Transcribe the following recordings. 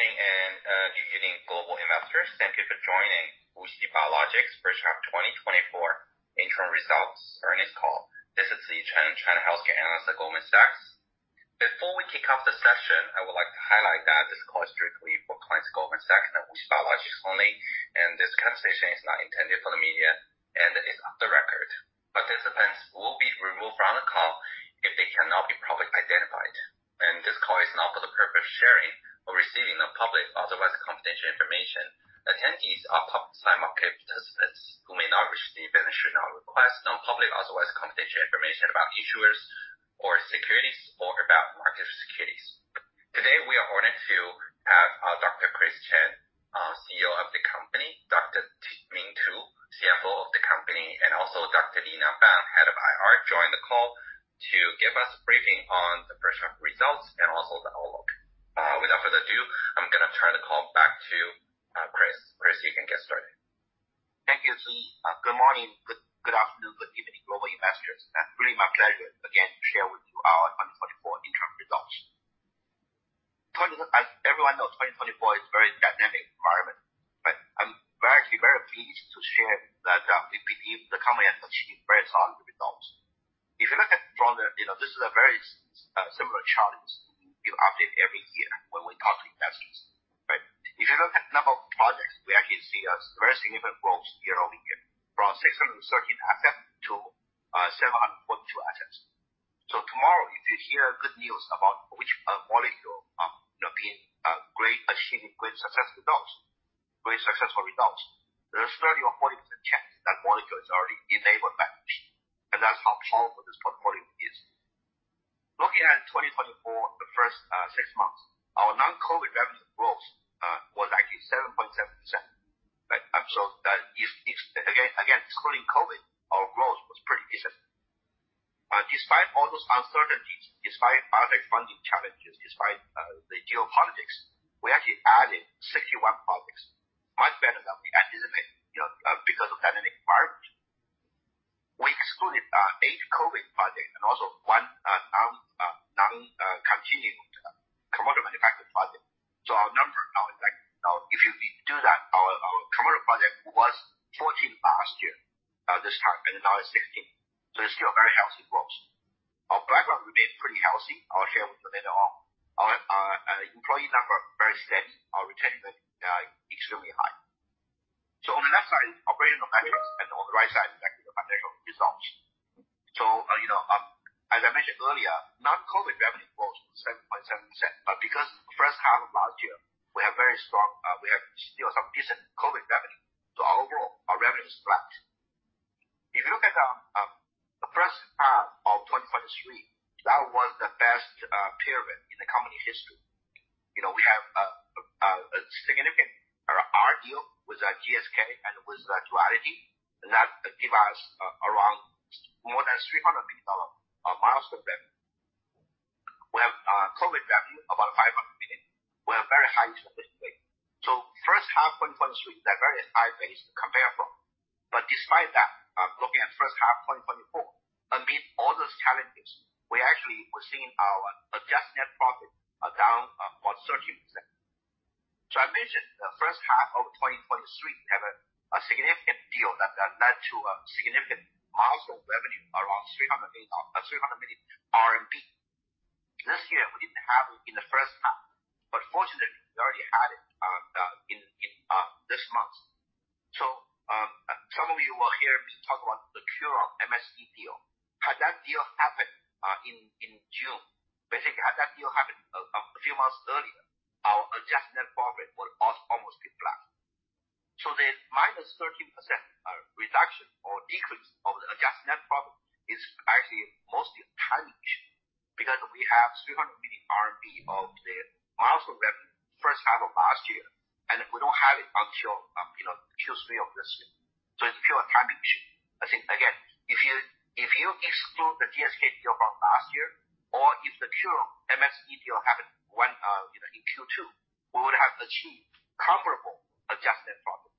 Good morning, and good evening, global investors. Thank you for joining WuXi Biologics First Half 2024 Interim Results Earnings Call. This is Xi Chen, China healthcare analyst at Goldman Sachs. Before we kick off the session, I would like to highlight that this call is strictly for clients of Goldman Sachs and WuXi Biologics only, and this conversation is not intended for the media and is off the record. Participants will be removed from the call if they cannot be properly identified, and this call is not for the purpose of sharing or receiving of public otherwise confidential information. Attendees are public side market participants who may not reach the investor should not request non-public otherwise confidential information about issuers or securities or about market securities. Today, we are honored to have Dr. Chris Chen, CEO of the company, Dr. Ming Tu, CFO of the company, and also Dr. Nina Feng, Head of IR, join the call to give us a briefing on the first half results and also the outlook. Without further ado, I'm gonna turn the call back to Chris. Chris, you can get started. Thank you, Xi. Good morning, good afternoon, good evening, global investors. It's really my pleasure again to share with you our 2024 interim results. As everyone knows, 2024 is a very dynamic environment, but I'm actually very pleased to share that we believe the company has achieved very solid results. If you look at from the... You know, this is a very similar challenge we update every year when we talk to investors, right? If you look at the number of projects, we actually see a very significant growth year-over-year, from 613 assets to 742 assets. So tomorrow, if you hear good news about which molecule, you know, being great, achieving great success results, very successful results, there's 30% or 40% chance that molecule is already enabled by WuXi, and that's how powerful this portfolio is. Looking at 2024, the first six months, our non-COVID revenue growth was actually 7.7%. But I'm sure that if, again, excluding COVID, our growth was pretty decent. Despite all those uncertainties, despite budget funding challenges, despite the geopolitics, we actually added 61 projects, much better than we had, isn't it? You know, because of the dynamic environment. We excluded eight COVID projects and also one non-continuing commercial manufactured project. So our number now is like, now if you do that, our commercial projects were 14 last year this time, and now it's 16. So it's still a very healthy growth. Our pipeline remained pretty healthy. Our share with them at all. Our employee number very steady. Our retention rate extremely high. So on the left side, operational metrics, and on the right side is actually the financial results. So you know, as I mentioned earlier, non-COVID revenue growth 7.7%, but because the first half of last year, we have very strong, we have still some decent COVID revenue. So overall, our revenue is flat. If you look at the first half of 2023, that was the best period in the company's history. You know, we have a significant our deal with GSK and with Duality, and that give us around more than CNY 300 million of milestone revenue. We have COVID revenue about 500 million. We have very high efficiency. So first half 2023 is a very high base to compare from. But despite that, looking at first half 2024, amid all those challenges, we actually were seeing our adjusted net profit down about 13%. So I mentioned, the first half of 2023, we had a significant deal that led to a significant milestone revenue, around 300 million, 300 million RMB. This year, we didn't have it in the first half, but fortunately, we already had it in this month. So, some of you will hear me talk about the Curon MSD deal. Had that deal happened in June, basically, had that deal happened a few months earlier, our adjusted net profit would also almost be flat. So the minus 13% reduction or decrease of the adjusted net profit is actually mostly timing, because we have 300 million RMB of the milestone revenue first half of last year, and we don't have it until you know, Q3 of this year. So it's pure timing issue. I think again, if you exclude the GSK deal from last year, or if the Curon MSD deal happened when you know, in Q2, we would have achieved comparable adjusted net profit.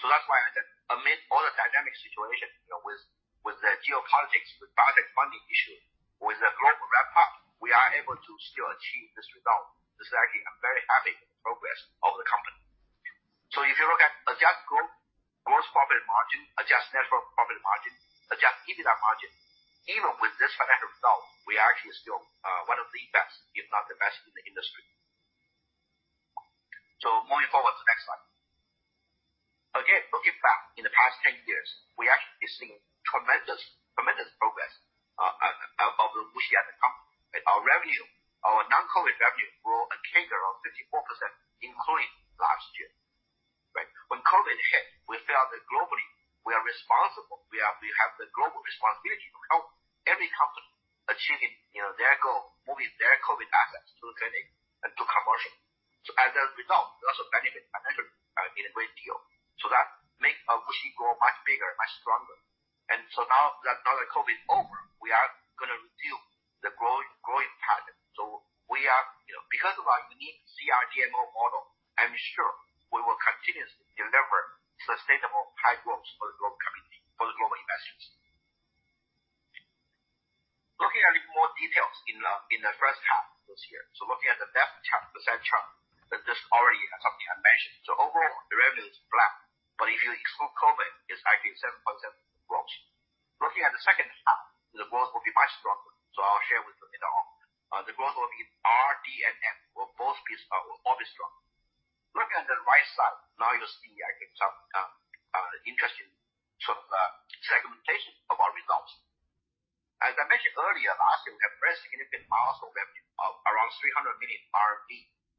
So that's why I said, amid all the dynamic situation, you know, with, with the geopolitics, with budget funding issue, with the global macro, we are able to still achieve this result. This is actually, I'm very happy with the progress of the company. So if you look at adjusted gross, gross profit margin, adjusted net profit margin, adjusted EBITDA margin, even with this financial result, we are actually still, one of the best, if not the best in the industry. So moving forward to the next slide. Again, looking back in the past 10 years, we actually have seen tremendous, tremendous progress, of WuXi as a company. Our revenue, our non-COVID revenue grew a CAGR of 54%, including last year, right? When COVID hit, we felt that globally, we are responsible. We have the global responsibility to help every company achieving, you know, their goal, moving their COVID assets to the clinic and to commercial. So as a result, we also benefited from another innovative deal. So that make WuXi grow much bigger and much stronger. And so now that COVID is over, we are gonna resume the growing pattern. So we are, you know, because of our unique CRDMO. Sharing more details in the first half this year. So looking at the left chart, the right chart, that this already is something I mentioned. So overall, the revenue is flat, but if you exclude COVID, it's actually 7.7 growth. Looking at the second half, the growth will be much stronger. So I'll share with you later on. The growth will be RD&M, will all be strong. Looking at the right side, now you see, I think some interesting sort of segmentation of our results. As I mentioned earlier, last year, we had very significant milestone revenue of around 300 million RMB.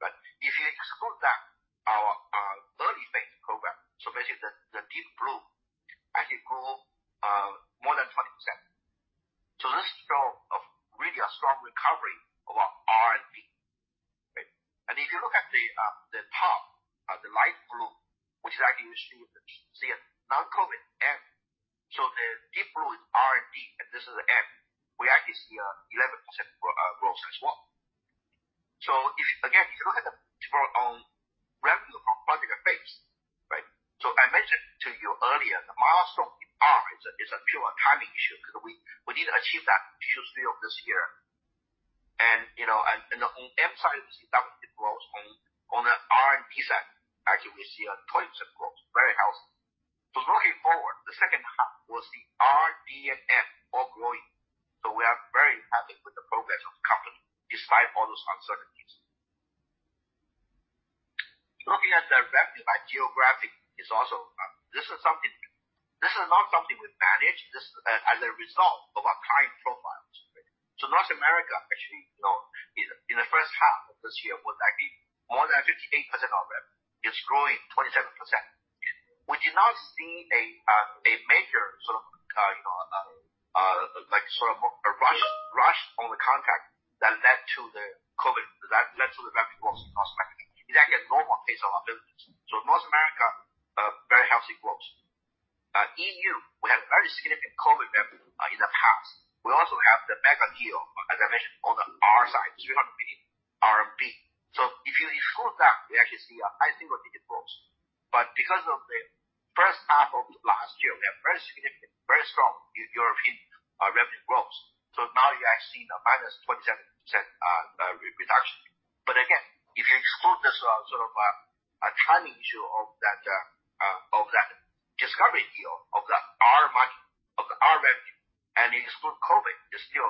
But if you exclude that, our early phase program, so basically the deep blue actually grow more than 20%. So this show of really a strong recovery of our R&D, right? And if you look at the top, the light blue, which actually you see a non-COVID M. So the deep blue is R&D, and this is the M. We actually see an 11% growth as well. So if you look at the growth on revenue on project phase, right? I mentioned to you earlier, the milestone in R is a pure timing issue, because we need to achieve that Q3 of this year. You know, on the M side, you see double-digit growth. On the R&D side, actually, we see 20% growth, very healthy. Looking forward, the second half, we'll see RD&M all growing. We are very happy with the progress of the company, despite all those uncertainties. Looking at the revenue by geographic is also this is not something we manage, this is as a result of our client profiles. North America, actually, you know, in the first half of this year, was actually more than 58% of rev. It's growing 27%. We do not see a major sort of, you know, like sort of a rush on the contract that led to the COVID, that led to the revenue growth in North America. It's actually a normal pace of our business. So North America, very healthy growth. E.U., we have very significant COVID revenue, in the past. We also have the mega deal, as I mentioned, on the R side, 300 million RMB. So if you exclude that, we actually see a high single digit growth. But because of the first half of last year, we have very significant, very strong European, revenue growth. So now you actually see a minus 27%, reduction. But again, if you exclude this, sort of, a timing issue of that, of that discovery deal, of the our market, of the our revenue, and you exclude COVID, it's still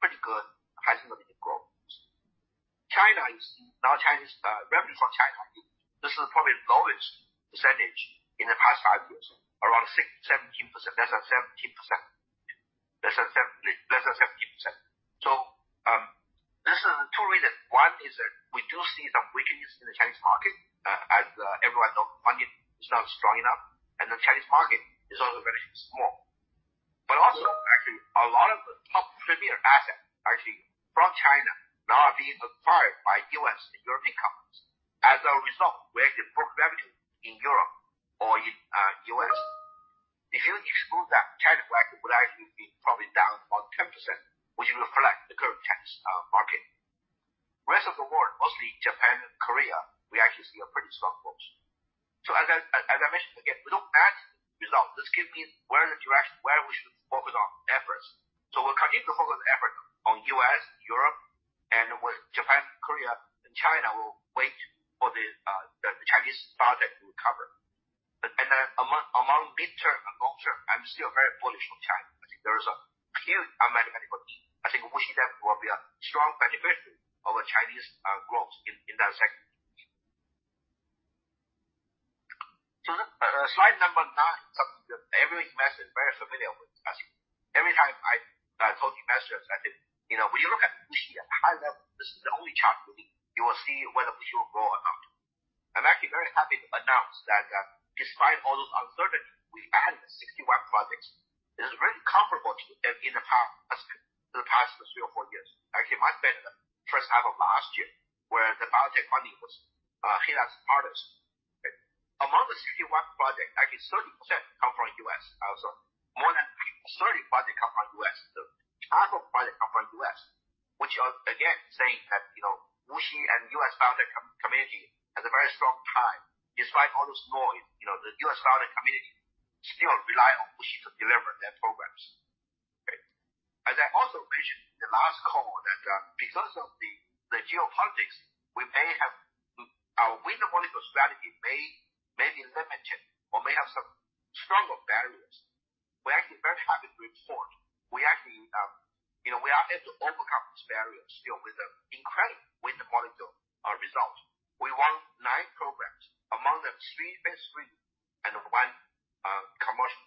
pretty good, high single-digit growth. China is, now Chinese, revenue from China. This is probably the lowest percentage in the past five years, around 6-17%, less than 17%. Less than 17%. So, this is two reasons. One is that we do see some weakness in the Chinese market, as, everyone know, funding is not strong enough, and the Chinese market is also very small. But also, actually, a lot of the top premier assets, actually, from China now are being acquired by U.S. and European companies. As a result, we actually book revenue in Europe or in, U.S. If you exclude that, China would actually be probably down about 10%, which will reflect the current Chinese market. Rest of the world, mostly Japan and Korea, we actually see a pretty strong growth. So as I mentioned, again, we don't add results. This gives me where the direction, where we should focus on efforts. So we'll continue to focus effort on U.S., Europe, and Japan, Korea, and for China we'll wait for the Chinese biotech to recover. But in the midterm and long term, I'm still very bullish on China. I think there is a huge unmet medical need. I think WuXi will be a strong beneficiary of the Chinese growth in that sector. So the slide number nine, something that every investor is very familiar with. Actually, every time I talk to investors, I think, you know, when you look at WuXi at high level, this is the only chart you need. You will see whether WuXi will grow or not. I'm actually very happy to announce that, despite all those uncertainties, we added 61 projects. This is very comparable to the past three or four years. Actually, might be better than the first half of last year, where the biotech funding was hit as hardest. Okay. Among the 61 projects, actually, 30% come from U.S. Also, more than 30 projects come from U.S. So half of projects come from U.S., which are again saying that, you know, WuXi and U.S. biotech community has a very strong tie. Despite all those noise, you know, the U.S. biotech community still rely on WuXi to deliver their programs. Okay. As I also mentioned in the last call, that, because of the, the geopolitics, we may have... Our win the molecule strategy may be limited or may have some stronger barriers. We're actually very happy to report we actually, you know, we are able to overcome these barriers still with an incredible win the molecule, result. We won nine programs, among them, three phase III and one, commercial.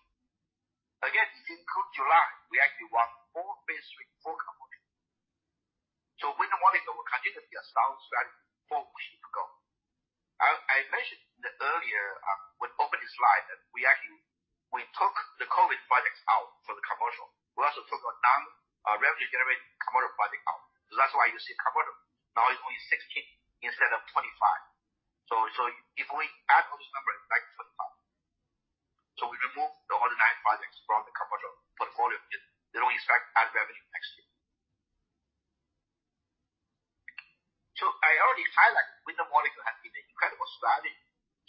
Again, in Q July, we actually won four phase III, four commercial. So win the molecule will continue to be a sound strategy for WuXi to go. I mentioned that earlier, when opening slide, that we actually, we took the COVID projects out for the commercial. We also took our non, revenue generating commercial project out. So that's why you see commercial now only 16 instead of 26. If we add all those numbers back to the top, we remove the other nine projects from the commercial portfolio. They don't expect to add revenue next year. I already highlighted Win-the-Molecule has been an incredible strategy.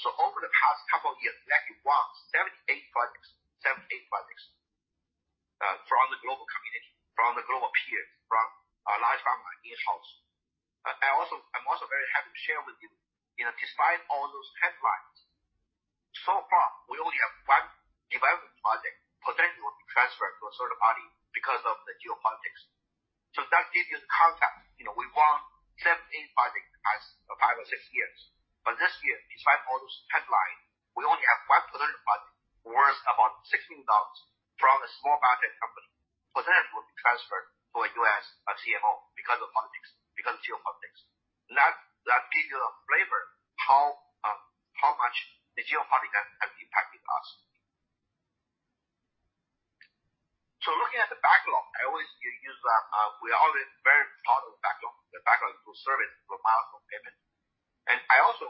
Over the past couple of years, we actually won 78 projects, 78 projects, from the global community, from the global peers, from a large pharma in-house. I'm also very happy to share with you, you know, despite all those headlines, so far, we only have one development project potentially will be transferred to a third party because of the geopolitics. That gives you the context. You know, we won 17 projects in five or six years, but this year, despite all those headlines, we only have one potential project worth about $16 million from a small biotech company that potentially will be transferred to a U.S. CMO because of politics, because of geopolitics. That gives you a flavor of how much the geopolitics have impacted us. So looking at the backlog, I always use that. We're always very proud of the backlog. The backlog will serve as a milestone payment. And I also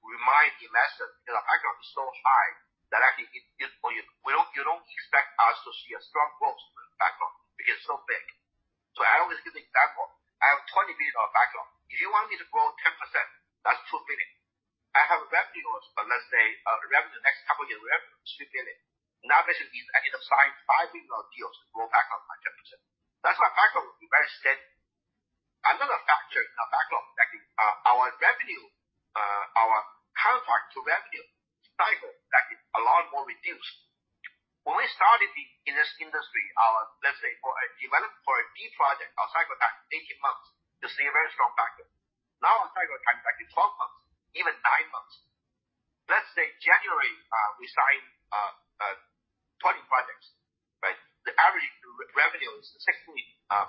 remind investors that our backlog is so high that actually it we don't. You don't expect us to see a strong growth in the backlog because it's so big. So I always give an example. I have a $20 billion backlog. If you want me to grow 10%, that's $2 billion. I have a revenue of, but let's say, revenue, the next couple of years, revenue, $3 billion. Now, this is. I need to sign $5 billion deals to grow backlog by 10%. That's why backlog will be very steady. Another factor in our backlog, that is, our revenue, our counterpart to revenue cycle, that is a lot more reduced. When we started in this industry, our, let's say, for a development, for a D project, our cycle time, 18 months, you see a very strong backlog. Now, our cycle time back in 12 months, even nine months. Let's say January, we sign 20 projects, right? The average revenue is 16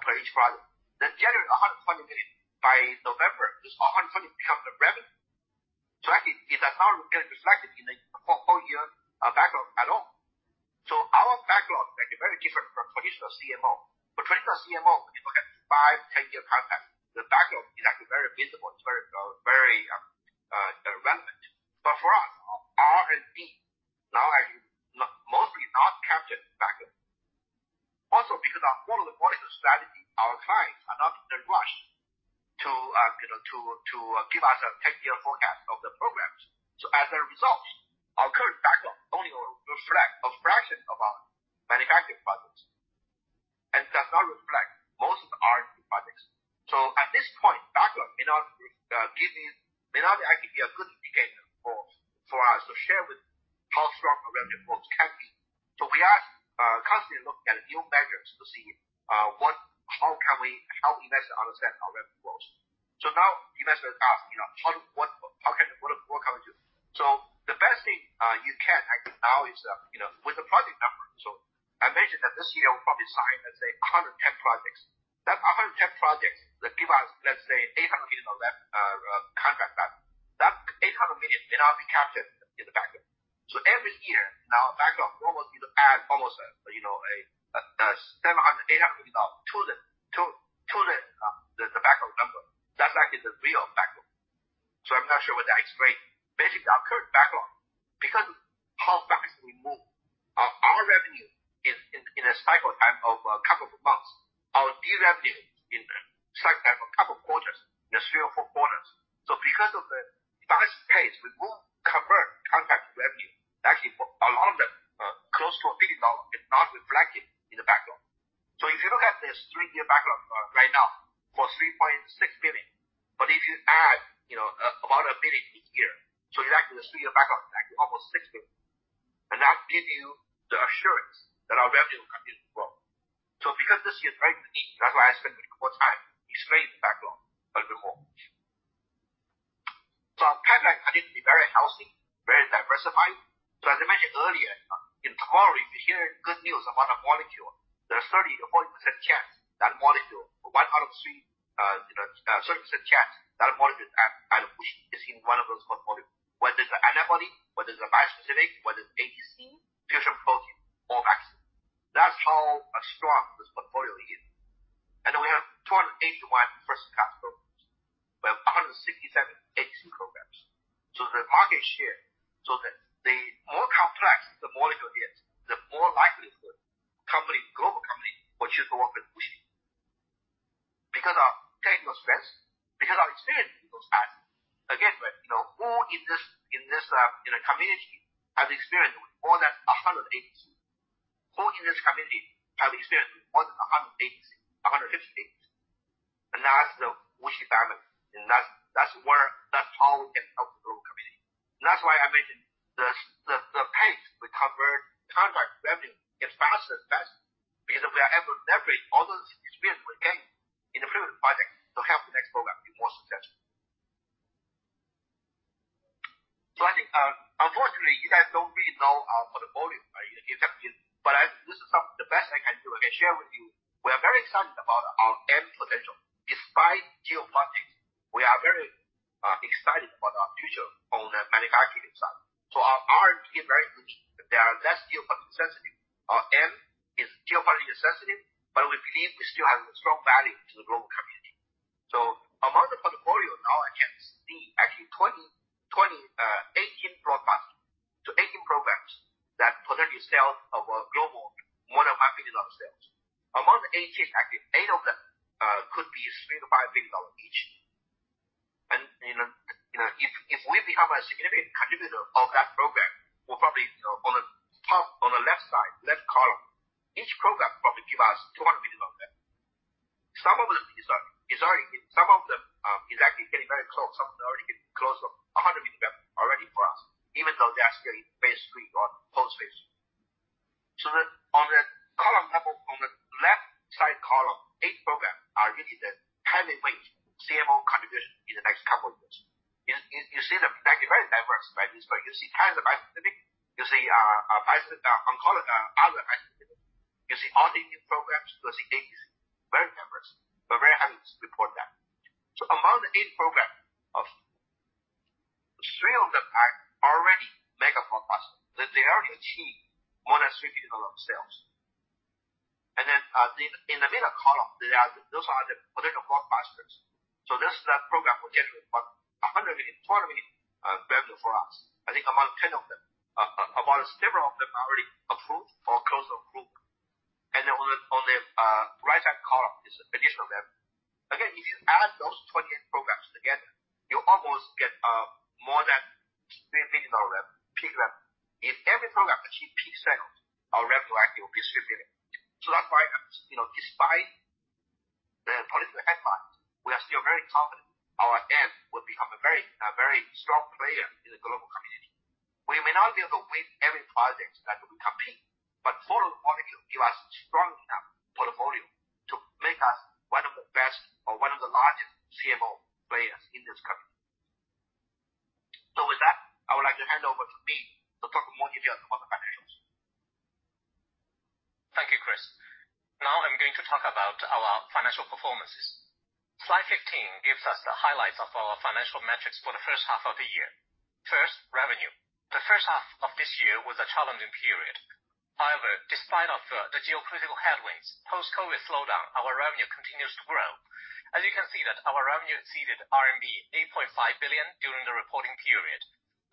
per each project. Then January, $140 million, by November, it's $140 million become the revenue. So actually, it does not get reflected in the whole year backlog at all. So our backlog may be very different from traditional CMO. For traditional CMO, people have five, ten-year contracts. The backlog is actually very visible. It's very relevant. But for us, R&D mostly not captured in backlog. Also, because of the Win-the-Molecule strategy, our clients are not in a rush to, you know, give us a ten-year forecast of the programs. So as a result, our current backlog only reflects a fraction of our manufacturing projects, and does not reflect most of the R&D projects. So at this point, backlog may not actually be a good indicator for us to share with how strong our revenue growth can be. So we are constantly looking at new metrics to see what, how can we, how investors understand our revenue growth. So now investors ask, you know, how, what, how can, what, what can we do? So the best thing you can actually do now is, you know, with the project number. So I mentioned that this year we probably sign, let's say, 110 projects. That 110 projects that give us, let's say, $800 million of that contract value. That $800 million may not be captured in the backlog. So every year now backlog we almost need to add almost, you know, a $700-$800 million to the backlog number. That's actually the real backlog. So I'm not sure whether I explained basically our current backlog. Because of how fast we move, our revenue is in a cycle time of a couple of months. Our D revenue is in a cycle time of couple quarters, in a three or four quarters. So because of the fast pace, we move, convert contract revenue, actually for a lot of them, close to $1 billion is not reflected in the backlog. So if you look at this three-year backlog, right now for $3.6 billion, but if you add, you know, about $1 billion each year, so exactly the three-year backlog is actually almost $6 billion. And that gives you the assurance that our revenue will continue to grow. So because this year is very unique, that's why I spent more time explaining the backlog a little bit more. So our pipeline continues to be very healthy, very diversified. As I mentioned earlier, in theory, if you hear good news about a molecule, there's 30%-40% chance that molecule, one out of three, you know, 30% chance that molecule at WuXi is in one of those portfolios, whether it's an antibody, whether it's a bispecific, whether it's ADC, fusion protein or vaccine. That's how strong this portfolio is. We have 281 first-class programs. We have 167 ADC programs. The market share, the more complex the molecule is, the more likelihood a company, a global company, will choose to work with WuXi. Because of our technical strength, because of our experience with those clients. Again, you know, who in this community has experience with more than 100 ADCs? Who in this community have experience with more than a hundred ADCs, a hundred and fifty ADCs? And that's the WuXi standard, and that's where, that's how we can help the global community. And that's why I mentioned the the pace we convert contract revenue gets faster and faster, because we are able to leverage all those experience we gained in the previous projects to help the next program be more successful. So I think, unfortunately, you guys don't really know our portfolio in depth, but I this is some of the best I can do. I can share with you, we are very excited about our end potential. Despite geopolitics, we are very excited about our future on the manufacturing side. So our R&D is very unique. They are less geopolitically sensitive. Our model is geopolitically sensitive, but we believe we still have a strong value to the global community. So among the portfolio, now among the eight active, eight of them could be $3-$5 billion each. And, you know, if we become a significant contributor of that program, we'll probably, you know, on the top, on the left side, left column, each program probably give us $200 million of them. Some of them are already, some of them are actually getting very close. Some are already getting close to $100 million already for us, even though they're actually phase 3 or post phase. So on the column level, on the left side column, eight programs are really the heavyweight CMO contribution in the next couple of years. You see them like very diverse like this, but you see kind of the bispecifics, you see oncology other activity. You see all the new programs, you see ADC, very diverse, but very happy to report that. Among the eight programs of... Three of them are already mega for us, that they already achieved more than $3 billion of sales. And then, in the middle column, there are, those are the potential blockbusters. So this is that program will generate about $100 million, $200 million value for us. I think among 10 of them, among several of them are already approved or close to approved. And then on the right side column is additional level. Again, if you add those twenty-eight programs together, you almost get more than $3 billion dollar rev, peak rev. If every program achieve peak sales, our revenue actually will be $3 billion. So that's why, you know, despite the political headwinds, we are still very confident our end will become a very, a very strong player in the global community. We may not be able to win every project that we compete, but follow the molecule give us strong enough portfolio to make us one of the best or one of the largest CMO players in this company. So with that, I would like to hand over to Ming to talk more in detail about the financials. Thank you, Chris. Now I'm going to talk about our financial performances. Slide fifteen gives us the highlights of our financial metrics for the first half of the year. First, revenue. The first half of this year was a challenging period. However, despite the geopolitical headwinds, post-COVID slowdown, our revenue continues to grow. As you can see that our revenue exceeded RMB 8.5 billion during the reporting period,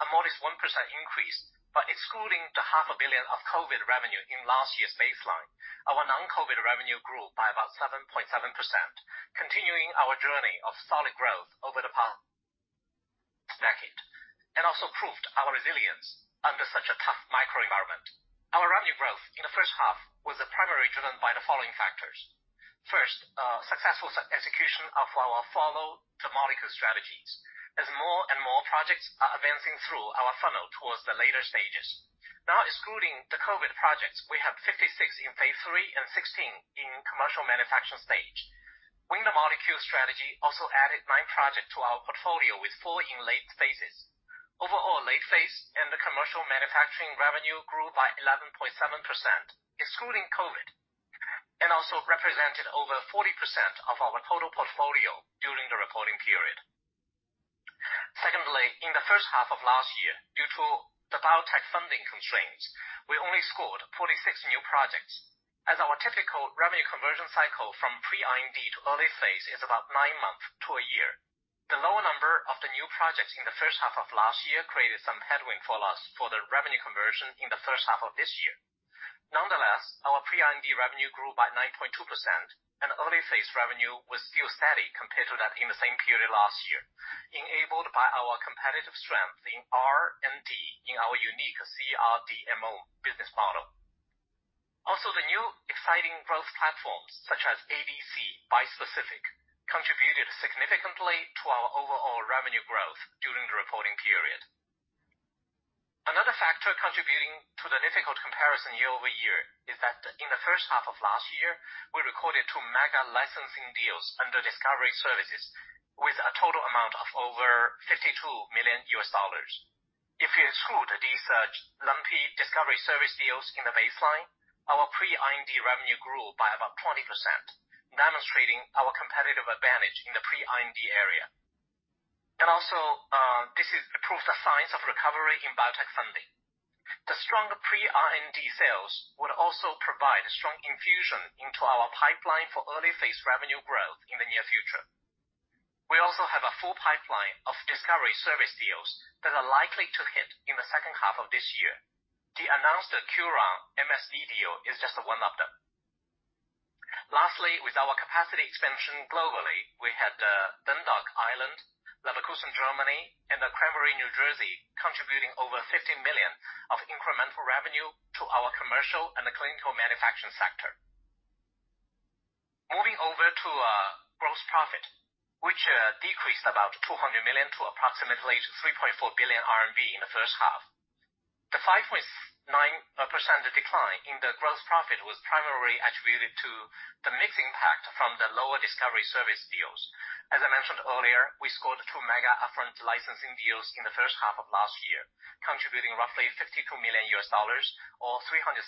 a modest 1% increase, but excluding the 0.5 billion of COVID revenue in last year's baseline, our non-COVID revenue grew by about 7.7%, continuing our journey of solid growth over the past decade, and also proved our resilience under such a tough microenvironment. Our revenue growth in the first half was primarily driven by the following factors: First, successful execution of our follow the molecule strategies, as more and more projects are advancing through our funnel towards the later stages. Now, excluding the COVID projects, we have 56 in phase three and 16 in commercial manufacturing stage. Win the molecule strategy also added nine projects to our portfolio, with four in late phases. Overall, late phase and the commercial manufacturing revenue grew by 11.7%, excluding COVID, and also represented over 40% of our total portfolio during the reporting period. Secondly, in the first half of last year, due to the biotech funding constraints, we only scored forty-six new projects. As our typical revenue conversion cycle from pre-IND to early phase is about nine months to a year. The lower number of the new projects in the first half of last year created some headwind for us for the revenue conversion in the first half of this year. Nonetheless, our pre-IND revenue grew by 9.2%, and early phase revenue was still steady compared to that in the same period last year, enabled by our competitive strength in R and D in our unique CRDMO business model. Also, the new exciting growth platforms, such as ADC, bispecific, contributed significantly to our overall revenue growth during the reporting period. Another factor contributing to the difficult comparison year-over-year is that in the first half of last year, we recorded two mega licensing deals under discovery services with a total amount of over $52 million. If you exclude these, lumpy discovery service deals in the baseline, our pre-IND revenue grew by about 20%, demonstrating our competitive advantage in the pre-IND area. Also, this is a proof of the signs of recovery in biotech funding. The strong pre-IND sales will also provide strong infusion into our pipeline for early phase revenue growth in the near future. We also have a full pipeline of discovery service deals that are likely to hit in the second half of this year. The announced Curon MSD deal is just one of them. Lastly, with our capacity expansion globally, we had Dundalk, Leverkusen, Germany, and Cranbury, New Jersey, contributing over 50 million of incremental revenue to our commercial and clinical manufacturing sector. Moving over to gross profit, which decreased about 200 million to approximately 3.4 billion RMB in the first half. The 5.9% decline in the gross profit was primarily attributed to the mixed impact from the lower discovery service deals. As I mentioned earlier, we scored two mega upfront licensing deals in the first half of last year, contributing roughly $52 million or 370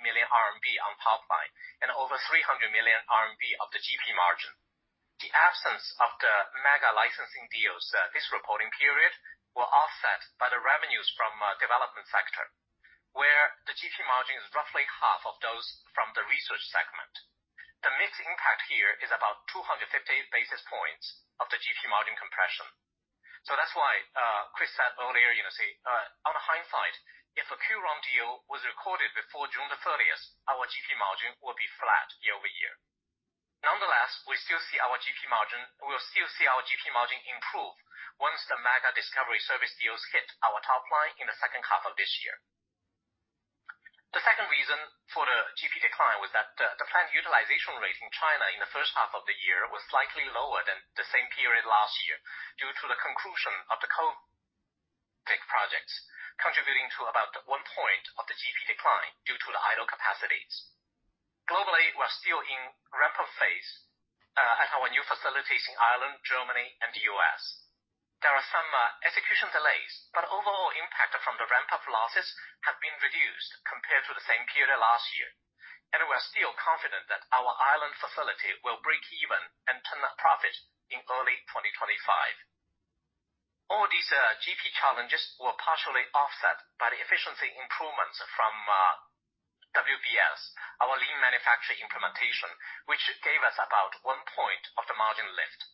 million CNY on top line, and over 300 million RMB of the GP margin. The absence of the mega licensing deals this reporting period were offset by the revenues from development sector, where the GP margin is roughly half of those from the research segment. The mixed impact here is about 258 basis points of the GP margin compression. That's why Chris said earlier, you know, say, on hindsight, if a CRDMO deal was recorded before June the thirtieth, our GP margin will be flat year-over-year. Nonetheless, we still see our GP margin. We'll still see our GP margin improve once the mega discovery service deals hit our top line in the second half of this year. The second reason for the GP decline was that the plant utilization rate in China in the first half of the year was slightly lower than the same period last year, due to the conclusion of the COVID projects, contributing to about one point of the GP decline due to the idle capacities. Globally, we're still in ramp-up phase at our new facilities in Ireland, Germany, and the U.S., There are some execution delays, but overall impact from the ramp-up losses have been reduced compared to the same period last year. And we're still confident that our Ireland facility will break even and turn a profit in early 2025. All these GP challenges were partially offset by the efficiency improvements from WBS, our lean manufacturing implementation, which gave us about one point of the margin lift.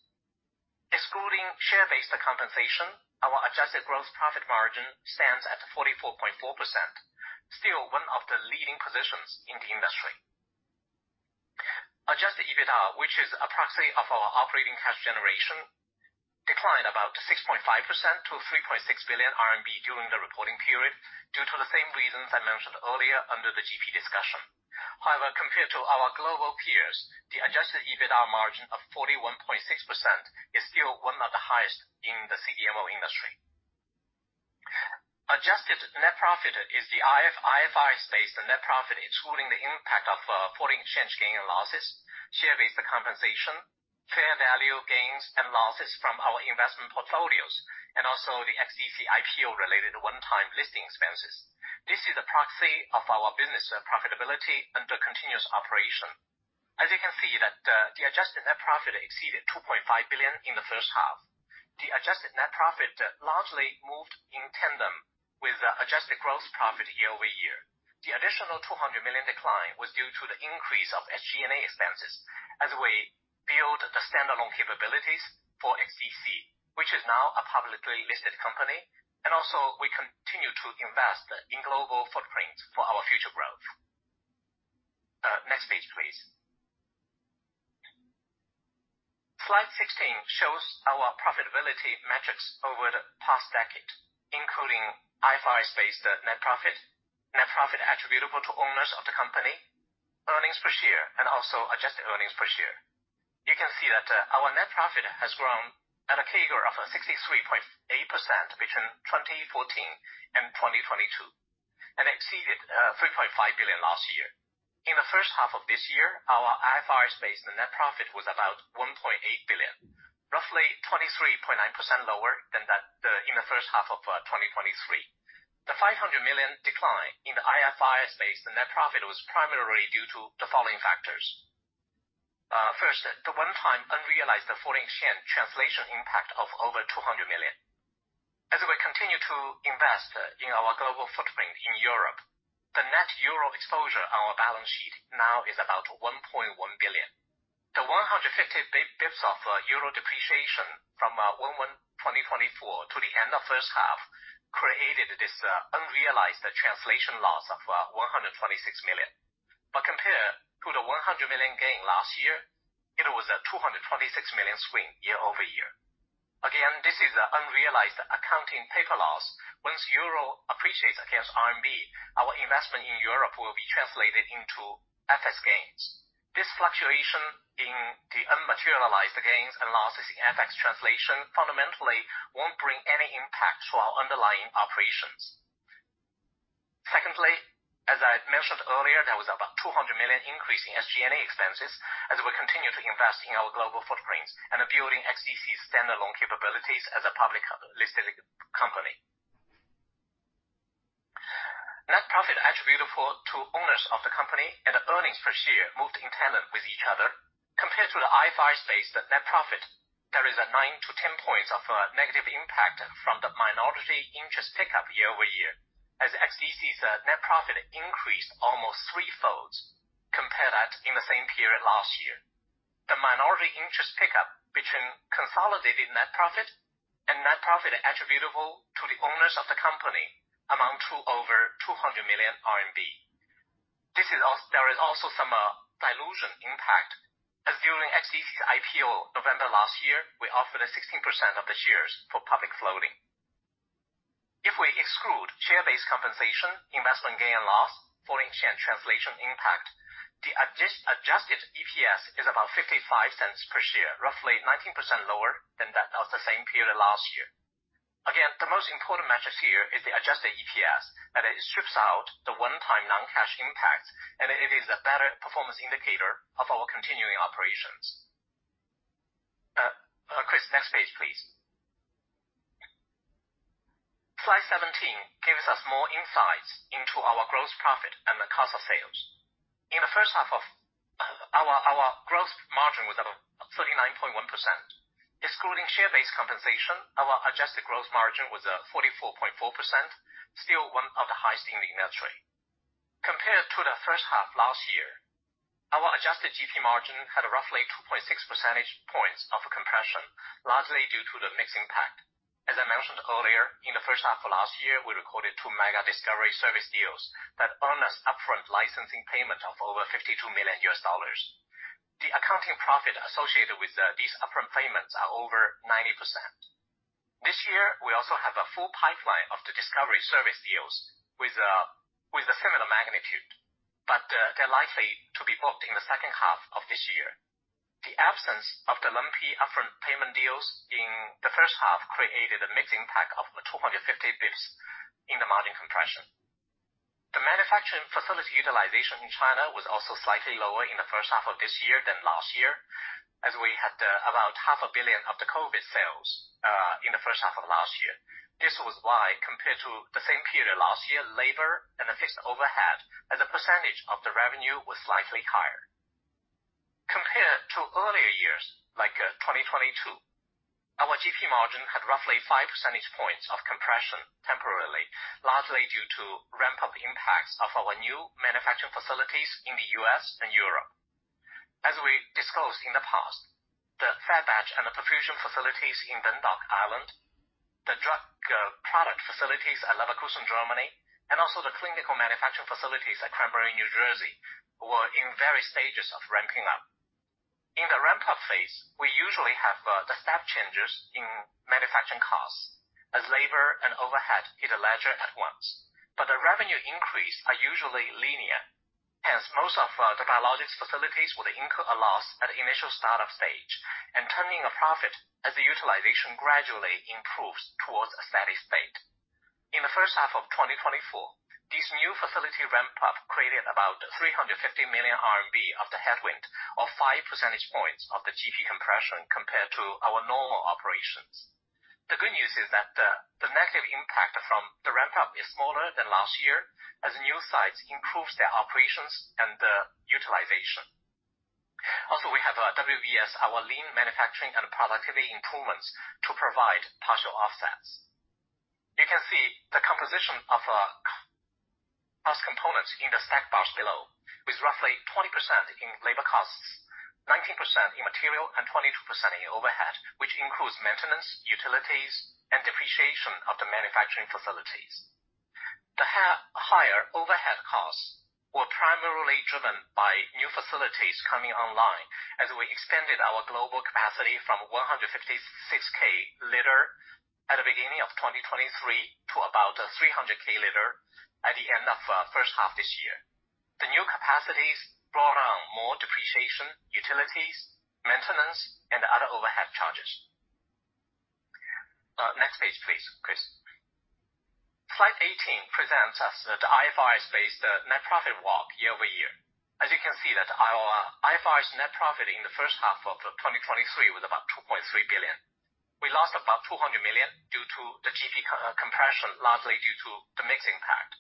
Excluding share-based compensation, our adjusted gross profit margin stands at 44.4%, still one of the leading positions in the industry. Adjusted EBITDA, which is a proxy of our operating cash generation, declined about 6.5% to 3.6 billion RMB during the reporting period, due to the same reasons I mentioned earlier under the GP discussion. However, compared to our global peers, the adjusted EBITDA margin of 41.6% is still one of the highest in the CDMO industry. Adjusted net profit is the IFRS-based net profit, including the impact of foreign exchange gain and losses, share-based compensation, fair value gains and losses from our investment portfolios, and also the XDC IPO-related one-time listing expenses. This is a proxy of our business profitability under continuous operation. As you can see that the adjusted net profit exceeded 2.5 billion in the first half. The adjusted net profit largely moved in tandem with the adjusted gross profit year-over-year. The additional 200 million decline was due to the increase of SG&A expenses as we build the standalone capabilities for XDC, which is now a publicly listed company, and also we continue to invest in global footprints for our future growth. Next page, please. Slide 16 shows our profitability metrics over the past decade, including IFRS-based net profit, net profit attributable to owners of the company, earnings per share, and also adjusted earnings per share. You can see that our net profit has grown at a CAGR of 63.8% between 2014 and 2022, and exceeded 3.5 billion last year. In the first half of this year, our IFRS-based net profit was about 1.8 billion, roughly 23.9% lower than that in the first half of 2023. The 500 million decline in the IFRS-based net profit was primarily due to the following factors. First, the one-time unrealized foreign exchange translation impact of over 200 million. As we continue to invest in our global footprint in Europe, the net euro exposure on our balance sheet now is about 1.1 billion. The 150 basis points of euro depreciation from 1Q 2024 to the end of first half created this unrealized translation loss of 126 million. But compared to the 100 million gain last year, it was a 226 million swing year-over-year. Again, this is an unrealized accounting paper loss. Once euro appreciates against RMB, our investment in Europe will be translated into FX gains. This fluctuation in the unrealized gains and losses in FX translation fundamentally won't bring any impact to our underlying operations. Secondly, as I mentioned earlier, there was about 200 million increase in SG&A expenses as we continue to invest in our global footprints and building XDC's standalone capabilities as a public listed company. Net profit attributable to owners of the company and earnings per share moved in tandem with each other. Compared to the IFRS-based net profit, there is a nine to 10 points of negative impact from the minority interest pickup year-over-year, as XDC's net profit increased almost threefolds, compared to that in the same period last year. The minority interest pickup between consolidated net profit and net profit attributable to the owners of the company amount to over 200 million RMB. There is also some dilution impact, as during XDC's IPO, November last year, we offered 16% of the shares for public flotation. If we exclude share-based compensation, investment gain and loss, foreign exchange translation impact, the adjusted EPS is about $0.55 per share, roughly 19% lower than that of the same period last year. Again, the most important metric here is the adjusted EPS, and it strips out the one-time non-cash impact, and it is a better performance indicator of our continuing operations. Chris, next page, please. Slide 17 gives us more insights into our gross profit and the cost of sales. In the first half. Our gross margin was about 39.1%. Excluding share-based compensation, our adjusted gross margin was 44.4%, still one of the highest in the industry compared to the first half last year, our adjusted GP margin had roughly 2.6 percentage points of compression, largely due to the mix impact. As I mentioned earlier, in the first half of last year, we recorded two mega discovery service deals that earned us upfront licensing payment of over $52 million. The accounting profit associated with these upfront payments are over 90%. This year, we also have a full pipeline of the discovery service deals with a similar magnitude, but they're likely to be booked in the second half of this year. The absence of the lumpy upfront payment deals in the first half created a mixed impact of the 250 basis points in the margin compression. The manufacturing facility utilization in China was also slightly lower in the first half of this year than last year, as we had about $500 million of the COVID sales in the first half of last year. This was why, compared to the same period last year, labor and fixed overhead, as a percentage of the revenue, was slightly higher. Compared to earlier years, like, 2022, our GP margin had roughly five percentage points of compression temporarily, largely due to ramp-up impacts of our new manufacturing facilities in the U.S. and Europe. As we disclosed in the past, the Fed-batch and the perfusion facilities in Dundalk, Ireland, the drug product facilities at Leverkusen, Germany, and also the clinical manufacturing facilities at Cranbury, New Jersey, were in various stages of ramping up. In the ramp-up phase, we usually have the step changes in manufacturing costs as labor and overhead hit a ledger at once, but the revenue increase are usually linear. Hence, most of the biologics facilities will incur a loss at the initial start-up stage and turning a profit as the utilization gradually improves towards a steady state. In the first half of 2024, these new facility ramp up created about 350 million RMB of the headwind, or five percentage points of the GP compression compared to our normal operations. The good news is that the negative impact from the ramp up is smaller than last year as new sites improves their operations and the utilization. Also, we have WBS, our lean manufacturing and productivity improvements to provide partial offsets. You can see the composition of cost components in the stack bars below, with roughly 20% in labor costs, 19% in material and 22% in overhead, which includes maintenance, utilities, and depreciation of the manufacturing facilities. The higher overhead costs were primarily driven by new facilities coming online as we expanded our global capacity from 156 kL at the beginning of 2023 to about 300 kL at the end of first half this year. The new capacities brought on more depreciation, utilities, maintenance, and other overhead charges. Next page, please, Chris. Slide 18 presents us the IFRS-based net profit walk year-over-year. As you can see that our IFRS net profit in the first half of 2023 was about 2.3 billion. We lost about 200 million due to the GP compression, largely due to the mix impact.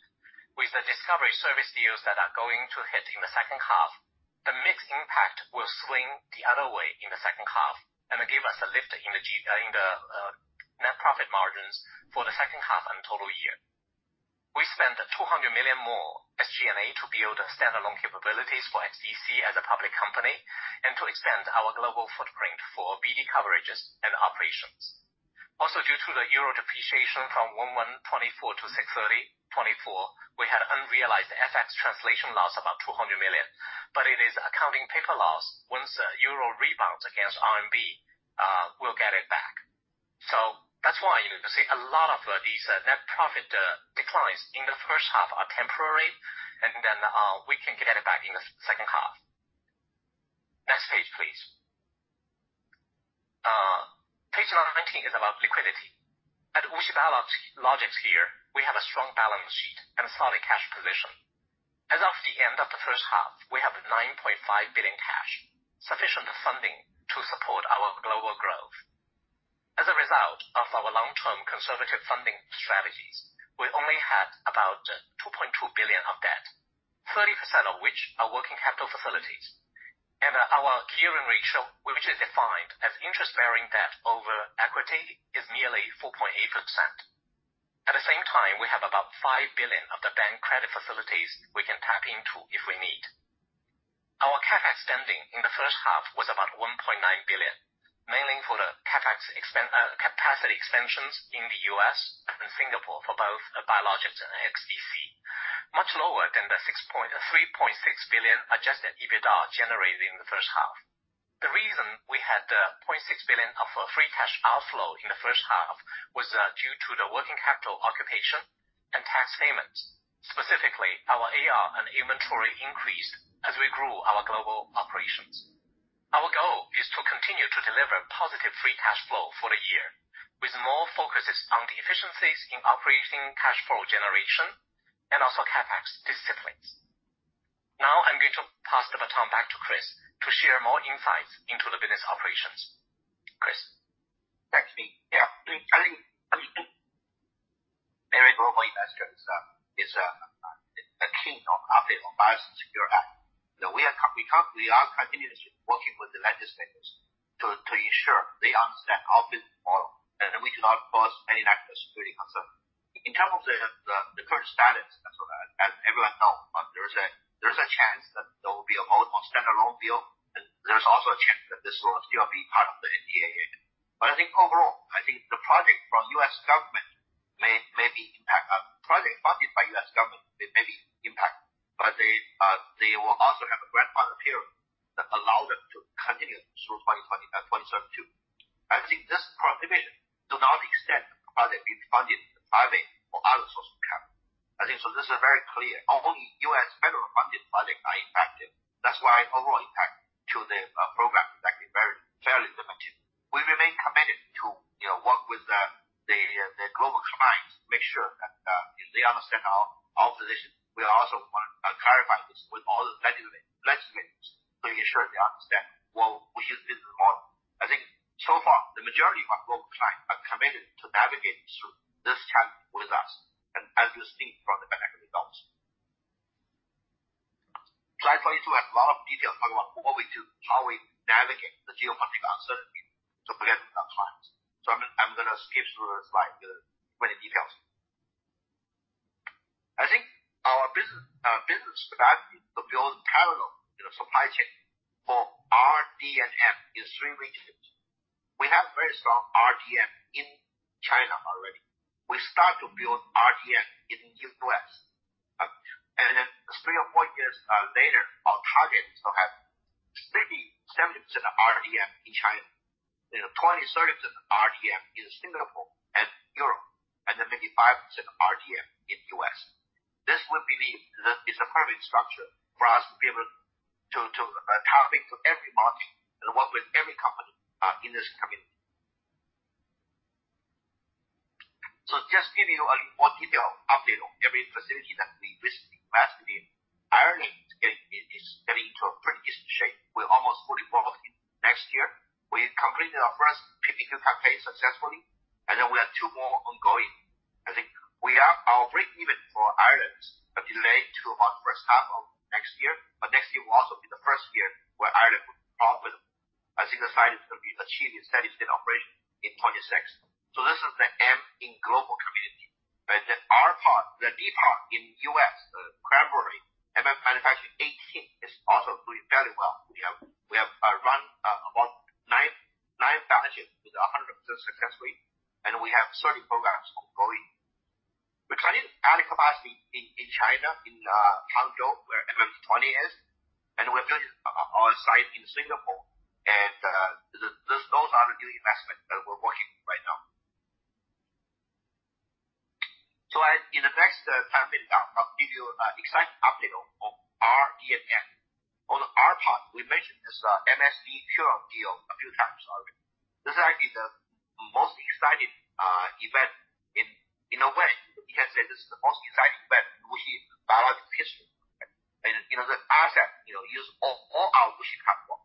With the discovery service deals that are going to hit in the second half, the mix impact will swing the other way in the second half and give us a lift in the G- in the net profit margins for the second half and total year. We spent 200 million more as G&A to build standalone capabilities for XDC as a public company and to expand our global footprint for BD coverages and operations. Also, due to the Euro depreciation from January 1, 2024 to June 30, 2024, we had unrealized FX translation loss about 200 million. But it is accounting paper loss. Once the Euro rebounds against RMB, we'll get it back. So that's why you see a lot of these net profit declines in the first half are temporary, and then we can get it back in the second half. Next page, please. Page 19 is about liquidity. At WuXi Biologics here, we have a strong balance sheet and solid cash position. As of the end of the first half, we have 9.5 billion cash, sufficient funding to support our global growth. As a result of our long-term conservative funding strategies, we only had about 2.2 billion of debt, 30% of which are working capital facilities. And our gearing ratio, which is defined as interest-bearing debt over equity, is merely 4.8%. At the same time, we have about 5 billion of the bank credit facilities we can tap into if we need. Our CapEx spending in the first half was about 1.9 billion, mainly for capacity expansions in the U.S. and Singapore for both biologics and XDC, much lower than the six point... 3.6 billion adjusted EBITDA generated in the first half. The reason we had 0.6 billion of free cash outflow in the first half was due to the working capital occupation and tax payments. Specifically, our AR and inventory increased as we grew our global operations. Our goal is to continue to deliver positive free cash flow for the year, with more focuses on the efficiencies in operating cash flow generation and also CapEx disciplines. Now I'm going to pass the baton back to Chris to share more insights into the business operations. Chris? Thanks, Ming. Yeah, I think for global investors this is a kind of update on the BioSecure. We are continuously working with the legislators to ensure they understand our business model, and that we do not cause any national security concern. In terms of the current status, as everyone know, there's a chance that there will be a vote on standalone bill, and there's also a chance that this will still be part of the NDAA. But I think overall, I think the project from U.S. government may be impact, project funded by U.S. government. It may be impacted, but they will also have a grandfather period that allow them to continue through twenty twenty-two. I think this prohibition do not extend project being funded by the, or other source of capital. I think so this is very clear. Only U.S. federal-funded projects are impacted. That's why overall impact to the program is actually very fairly limited. We remain committed to, you know, work with the global clients to make sure that they understand our position. We also want clarify this with all the legislators to ensure they understand what we should do the model. I think so far, the majority of our global clients are committed to navigating through this challenge with us, and as you see from the financial results, Slide 42 has a lot of details about what we do, how we navigate the geopolitical uncertainty to benefit our clients. So I'm gonna skip through the slide with many details. I think our business strategy to build parallel in the supply chain for RD&M in three regions. We have very strong RDM in China already. We start to build RDM in U.S., and then three or four years later, our target is to have 37% RDM in China, you know, 20-30% RDM in Singapore and Europe, and then maybe 5% RDM in U.S.. This will be the. It's a perfect structure for us to be able to target to every market and work with every company in this community. So just give you a more detailed update on every facility that we invest in. Ireland is getting into a pretty good shape. We're almost fully involved in next year. We completed our first PPQ campaign successfully, and then we have two more ongoing. I think we are our breakeven for Ireland is delayed to about the first half of next year, but next year will also be the first year where Ireland will profit. I think the site will be achieving steady state operation in 2026. So this is the M in global CDMO, right? The R part, the D part in U.S., Cranbury, MFG 18, is also doing very well. We have run about nine partnerships with 100% success, and we have certain programs ongoing. We're planning adding capacity in China, in Hangzhou, where MFG 20 is, and we're building our site in Singapore, and those are the new investments that we're working right now. So in the meantime, I'll give you an exciting update on CRDMO. On the R part, we mentioned this MSD Curon deal a few times already. This is actually the most exciting event in a way. You can say this is the most exciting event in WuXi Biologics history. And you know, the asset you know use all our WuXi platform.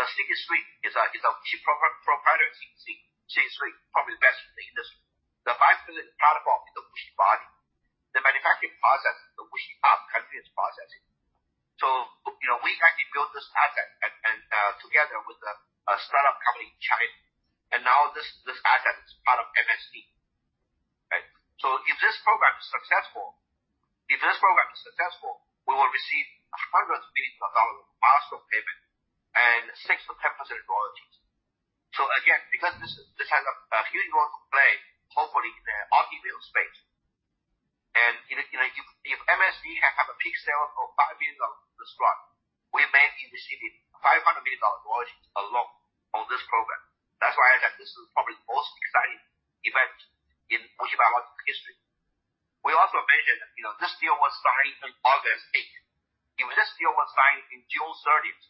The CD3 is a WuXi proprietary CD3, probably best in the industry. The bispecific platform is the WuXiBody, the manufacturing process, the WuXiUP. So you know, we actually built this asset and together with a startup company in China, and now this asset is part of MSD. Right? So if this program is successful, we will receive hundreds of millions of dollars of milestone payment and 6%-10% royalties. So again, because this has a huge role to play, hopefully in the onco space. And, you know, if MSD can have a peak sale of $5 million this one, we may be receiving $500 million royalties alone on this program. That's why I said this is probably the most exciting event in WuXi Biologics history. We also mentioned, you know, this deal was signed in August eighth. If this deal was signed in June thirtieth,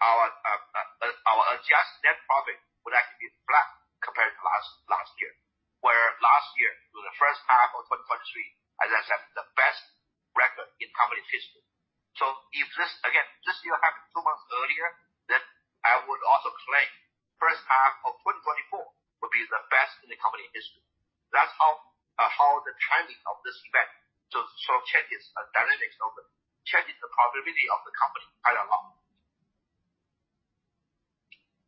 our adjusted net profit would actually be flat compared to last year. Where last year was the first half of 2023, as I said, the best record in company history. So if this deal happened two months earlier, then I would also claim first half of 2024 will be the best in the company history. That's how the timing of this event just sort of changes the dynamics of the changes the profitability of the company quite a lot.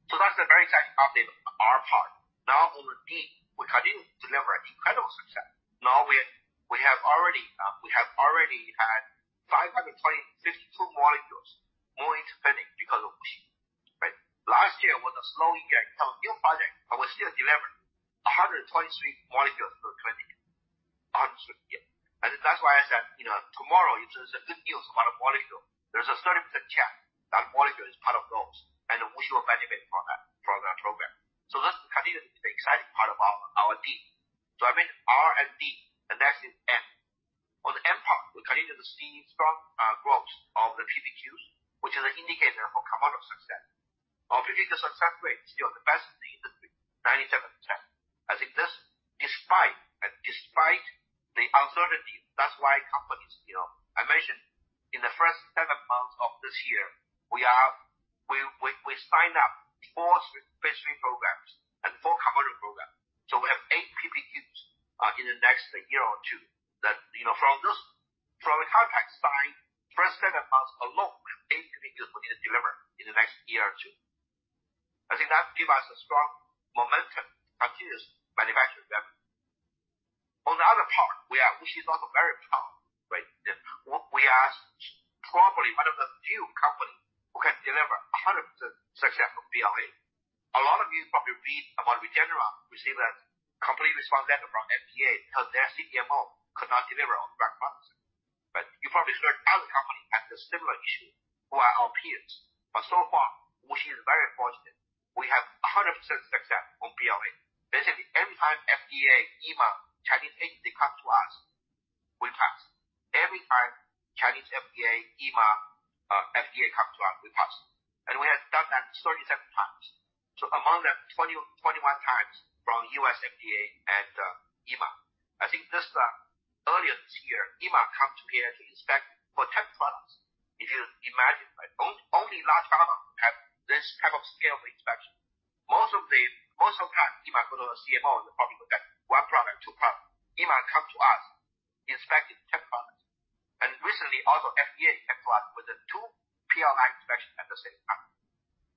So that's a very exciting update on our part. Now on the D, we continue to deliver incredible success. Now, we have already had 552 molecules moving to planning because of Wuxi. Right? Last year was a slow year in terms of new project, but we still delivered 123 molecules to the clinic. 123, yeah. And that's why I said, you know, tomorrow, if there's good news about a molecule, there's a 30% chance that molecule is part of those, and Wuxi will benefit from that, from that program. So this continues the exciting part about our D. So in R&D, the next is M. On the M part, we continue to see strong growth of the PPQs, which is an indicator of commercial success. Our PPQ success rate is still the best in the industry, 97%, even in this, despite the uncertainty. That's why companies... You know, I mentioned in the first seven months of this year, we signed up four phase III programs. You know, from this, from a contract side, first seven months alone, 8 million we need to deliver in the next year or two. I think that give us a strong momentum to continue this manufacturing revenue. On the other part, we are, which is also very proud, right? We are probably one of the few companies who can deliver a 100% successful BLA. A lot of you probably read about Regeneron, received a complete response letter from FDA because their CDMO could not deliver on backgrounds. But you probably heard other companies have a similar issue who are our peers. But so far, which is very fortunate, we have 100% success on BLA. Basically, every time FDA, EMA, Chinese agency comes to us, we pass. Every time Chinese FDA, EMA, FDA comes to us, we pass. And we have done that 37 times. So among them, 20, 21 times from U.S. FDA and EMA. I think this earlier this year, EMA come to here to inspect for 10 products. If you imagine, right, only large pharma have this type of scale of inspection. Most of the time, EMA go to a CMO, and probably that one product, two product. EMA come to us inspecting ten products, and recently also FDA checked with us with the two PLI inspections at the same time.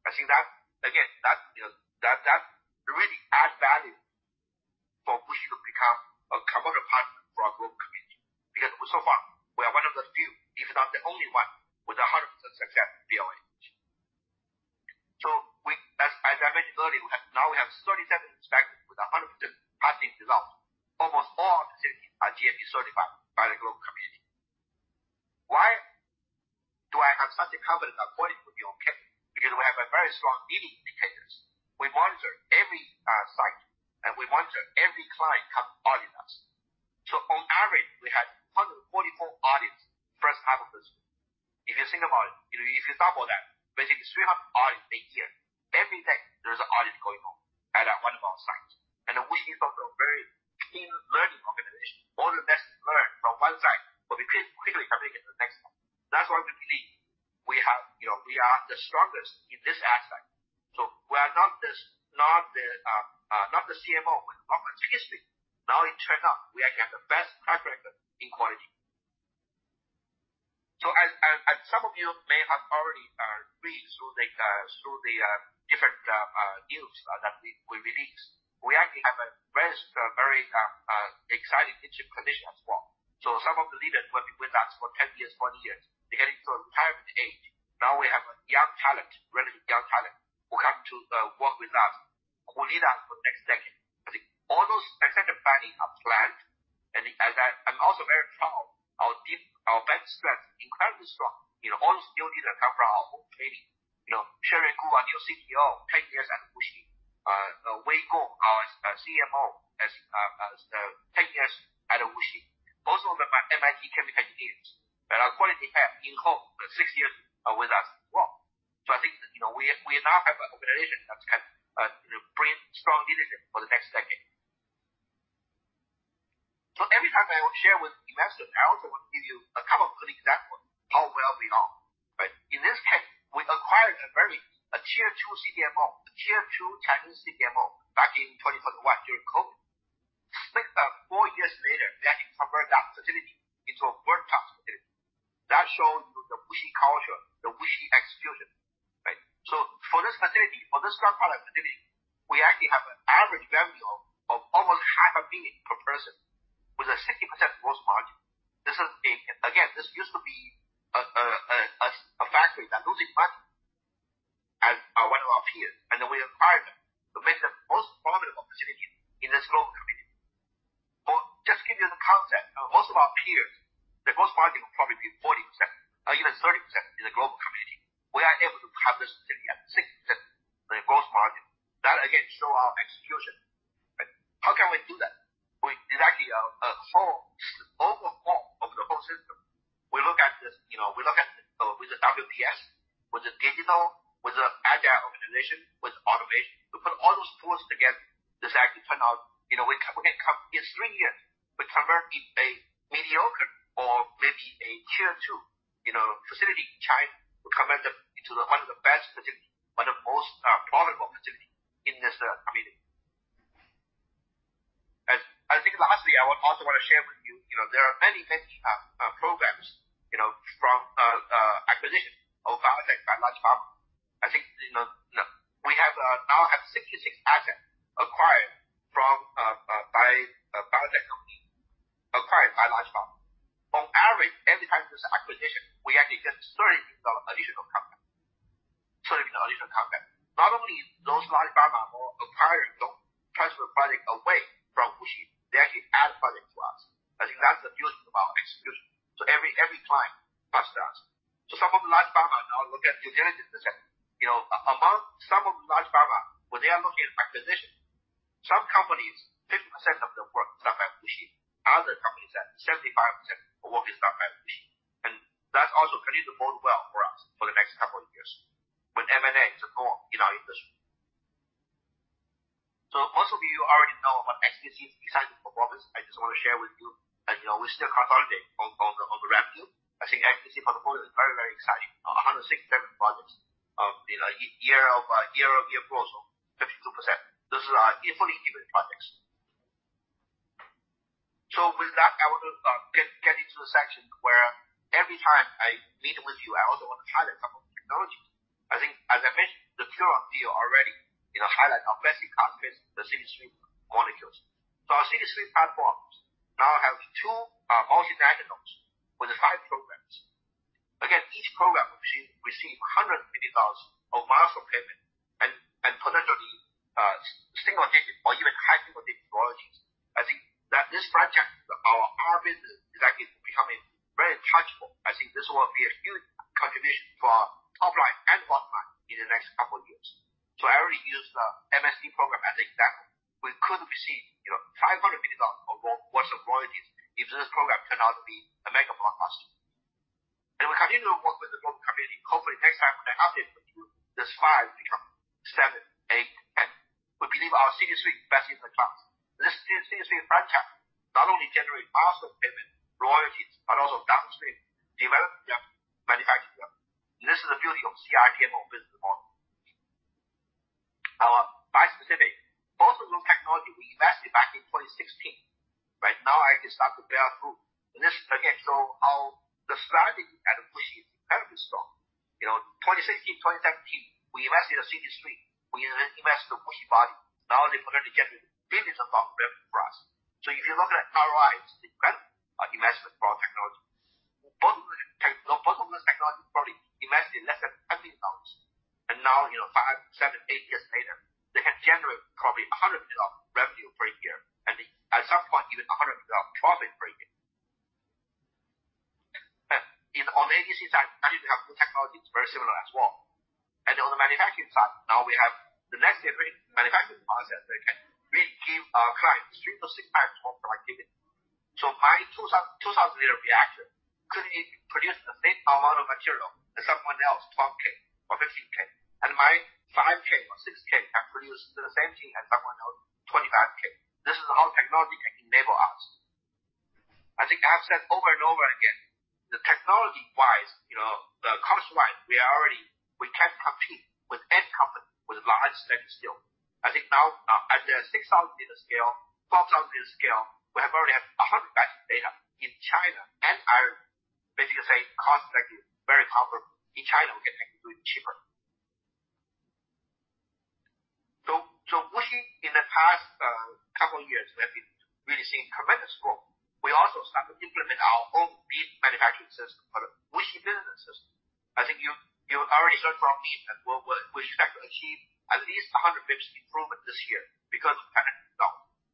I think that, again, you know, that really add value for WuXi to become a comfortable partner for our global community, because so far we are one of the few, if not the only one, with a 100% success BLA. So we, as I mentioned earlier, we have now we have 37 inspectors with a 100% passing results. Almost all our facilities are GMP certified by the global community. Why do I have such a confident that 40 will be on target? Because we have a very strong leading indicators. We monitor every site, and we monitor every client come audit us. So on average, we had 144 audits first half of this year. If you think about it, if you sample that, basically three hundred audits a year. Every day there is an audit going on at one of our sites, and then we is also a very clean learning organization. All the lessons learned from one site will be pretty quickly coming into the next one. That's why we believe we have, you know, we are the strongest in this aspect. We are not the CMO, but obviously now it turned out we are getting the best track record in quality. As some of you may have already read through the different news that we released, we actually have a very, very exciting leadership position as well. So some of the leaders who have been with us for 10 years, 20 years, they're getting to a retirement age. Now we have a young talent, relatively young talent, who come to work with us, who lead us for next decade. I think all those executive planning are planned. And I’m also very proud, our depth, our bench strength is incredibly strong. You know, all those new leaders that come from our own training. You know, Sherry Gu, our new CTO, 10 years at WuXi. Wei Guo, our CMO, 10 years at WuXi. Most of them are MIT chemical engineers, and our quality head in-house for 6 years with us as well. So I think, you know, we now have an organization that can bring strong leadership for the next decade. So every time I will share with investors, I also want to give you a couple of good examples how well we are. Right? In this case, we acquired a very tier two CDMO, a tier two Chinese CDMO back in 2021 during COVID. Six, four years later, we actually converted that facility into a world-class facility. That shows you the WuXi culture, the WuXi execution, right? So for this facility, for this drug product facility, we actually have an average revenue of almost $500,000 per person with a 60% gross margin. This is a again, this used to be a factory that losing money and one of our peers, and then we acquired that to make the most formidable opportunity in this global community. But just give you the concept, most of our peers, the gross margin will probably be 40% or even 30% in the global community. We are able to have this facility at 60%, the gross margin. That again, show our execution, right? How can we do that? It's actually a whole overhaul of the whole system. We look at this, you know, we look at with the WBS, with the digital, with the agile organization, with automation. We put all those tools together. This actually turn out, you know, we can, we can come in three years, we convert a mediocre or maybe a tier two, you know, facility in China, to come into the one of the best facility or the most profitable facility in this community. I think lastly, I would also want to share with you, you know, there are many tech programs, you know, from acquisition of biotech by large pharma. I think, you know, we have now 66 assets acquired from by biotech company, acquired by large pharma. On average, every time there's an acquisition, we actually get 30 million additional compound. Not only those large pharma who acquire don't transfer product away from WuXi, they actually add product to us. I think that's the beauty of our execution. So every time pass down. Some of the large pharma now look at due diligence, you know, among some of the large pharma, when they are looking at acquisition, some companies, five K or six K can produce the same thing as someone else, twenty-five K. This is how technology can enable us. I think I've said over and over again, the technology wise, you know, the cost wise, we are already we can compete with any company with large data still. I think now, at the six thousand liter scale, twelve thousand liter scale, we already have a hundred batch of data in China and are basically say, cost is very comparable. In China, we can actually do it cheaper. So, WuXi in the past couple of years, we have been really seeing tremendous growth. We also started to implement our own lean manufacturing system for the WuXi Business System. I think you already heard from me that we should actually achieve at least 100% improvement this year because of....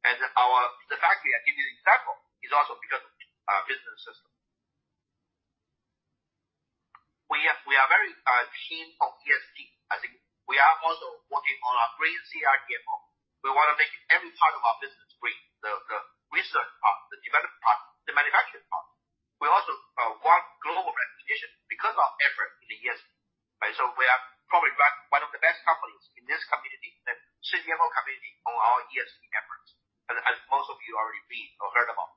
And our factory, I give you an example, is also because of our business system. We are very keen on ESG. I think we are also working on our green CRDMO. We want to make every part of our business green. The research part, the development part, the manufacturing part. We also won global recognition because of our effort in the ESG, right? We are probably one of the best companies in this community, the CDMO community, on our ESG efforts, as most of you already read or heard about.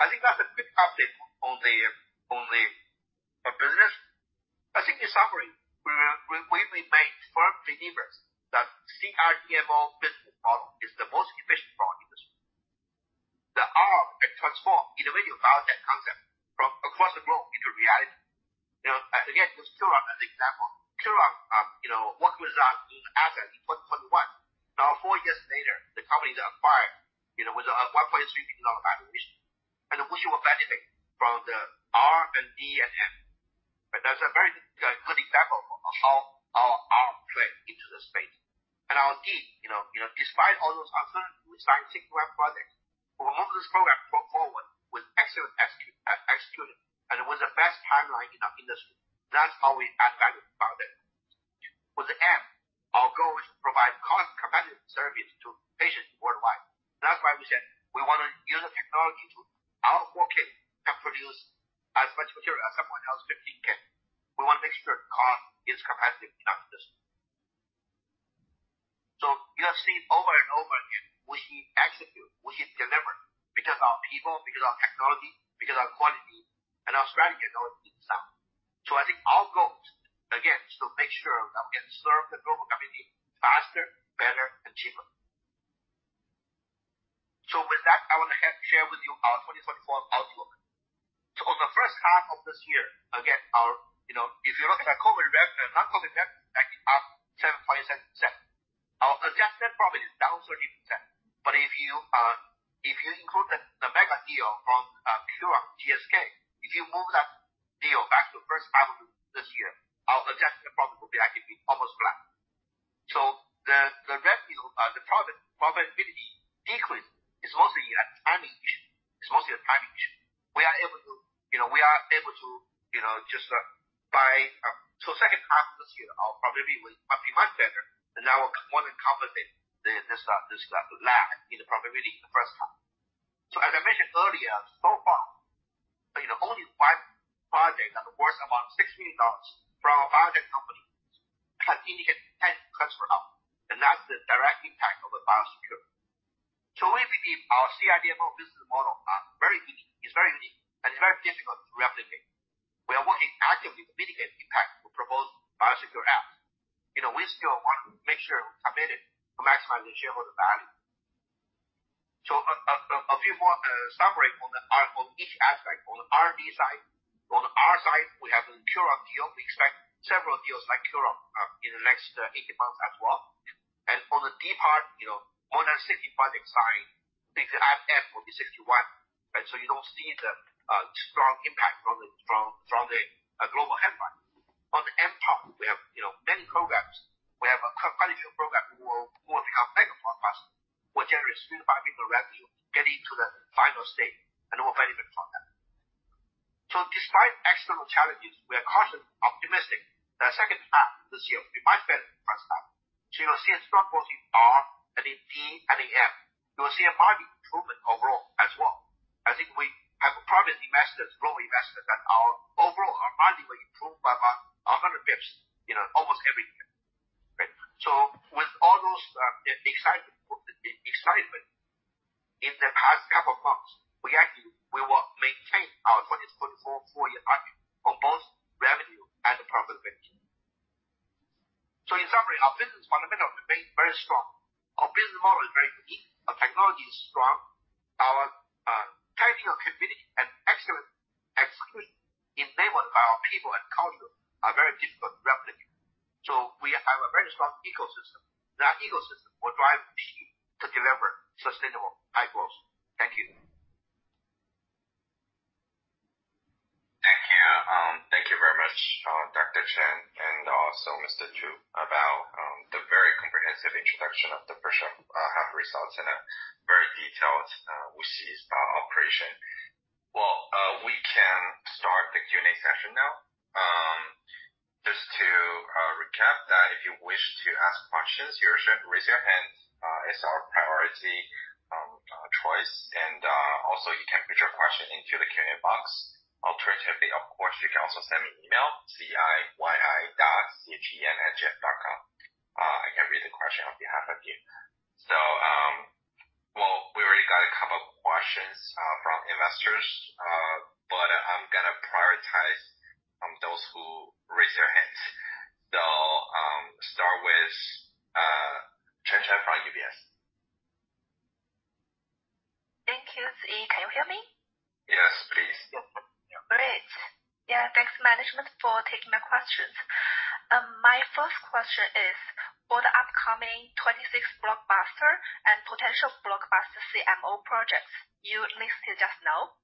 I think that's a quick update on our business. I think in summary, we remain firm believers that CRDMO business model is the most efficient model in industry. The R that transform individual biotech concept from across the globe into reality. You know, and again, use Curon as an example. Curon, you know, worked with us back in 2021. Now, four years later, the company is acquired, you know, with a $1.3 billion valuation, and WuXi will benefit from the R and D and M. But that's a very good example of how our play into the space. And our R&D, you know, despite all those uncertain scientific projects, we move this program forward with excellent execution, and it was the best timeline in our industry. That's how we add value to biotech. With the manufacturing, our goal is to provide cost competitive services to patients worldwide. That's why we said we want to use the technology to our 4K and produce as much material as someone else 15K. We want to make sure cost is competitive in our industry. So you have seen over and over again, WuXi execute, WuXi deliver because of our people, because of our technology, because our quality and our strategy and our business model. So I think our goal, again, is to make sure that we can serve the global community faster, better, and cheaper. With that, I want to share with you our 2024 outlook. On the first half of this year, again, our. You know, if you look at the COVID rev and non-COVID rev, actually up 7.7%. Our adjusted profit is down 13%. But if you include the mega deal from Curon, GSK, if you move that deal back to the first half of this year, our adjusted profit would be actually almost flat. So the rev, you know, the profit, profitability decrease is mostly a timing issue. It's mostly a timing issue. We are able to, you know, just by. Second half of this year, our profitability will be much better, and that will more than compensate the this lag in the profitability in the first half. As I mentioned earlier, so far, you know, only five projects that are worth about $6 million from a biotech company have been replicated. We are working actively to mitigate the impact with proposed BioSecure Act. You know, we still want to make sure we're committed to maximizing shareholder value. A few more summary on each aspect. On the R&D side, on the R&D side, we have the Curon deal. We expect several deals like Curon in the next 18 months as well. On the D part, you know, on a safety project side, they can have F will be 61, and you do not see the strong impact from the global headline. On the M part, we have, you know, many programs. We have quite a few programs will become mega for us, will generate $3 billion-$5 billion revenue, getting to the final state, and we will benefit from that. Despite external challenges, we are cautiously optimistic that the second half of this year will be much better than the first half. You will see strong growth in R, and in D, and in M. You will see a margin improvement overall as well. I think we have promised investors, global investors, that overall, our margin will improve by about 100 basis points, you know, almost every year. Right? With all those excitement in the past couple of months, we actually we will maintain our 2024 full-year target for both revenue and profit margin. In summary, our business fundamentals remain very strong. Our business model is very unique. Our technology is strong. Our technical capability and excellent execution enabled by our people and culture are very difficult to replicate. We have a very strong ecosystem. That ecosystem will drive us to deliver sustainable high growth. Thank you. Thank you. Thank you very much, Dr. Chen, and also Mr. Tu, about the very comprehensive introduction of the first half results and a very detailed operation. We can start the Q&A session now. Just to recap that if you wish to ask questions, you should raise your hand, is our priority choice, and also you can put your question into the Q&A box. Alternatively, of course, you can also send me an email, xi.chen@gs.com. I can read the question on behalf of you. We already got a couple questions from investors, but I'm gonna prioritize those who raise their hands. Start with Chen Chen from UBS. Thank you, Xi. Can you hear me? Yes, please. Great. Yeah, thanks, management, for taking my questions. My first question is, for the upcoming 26 blockbuster and potential blockbuster CMO projects you listed just now,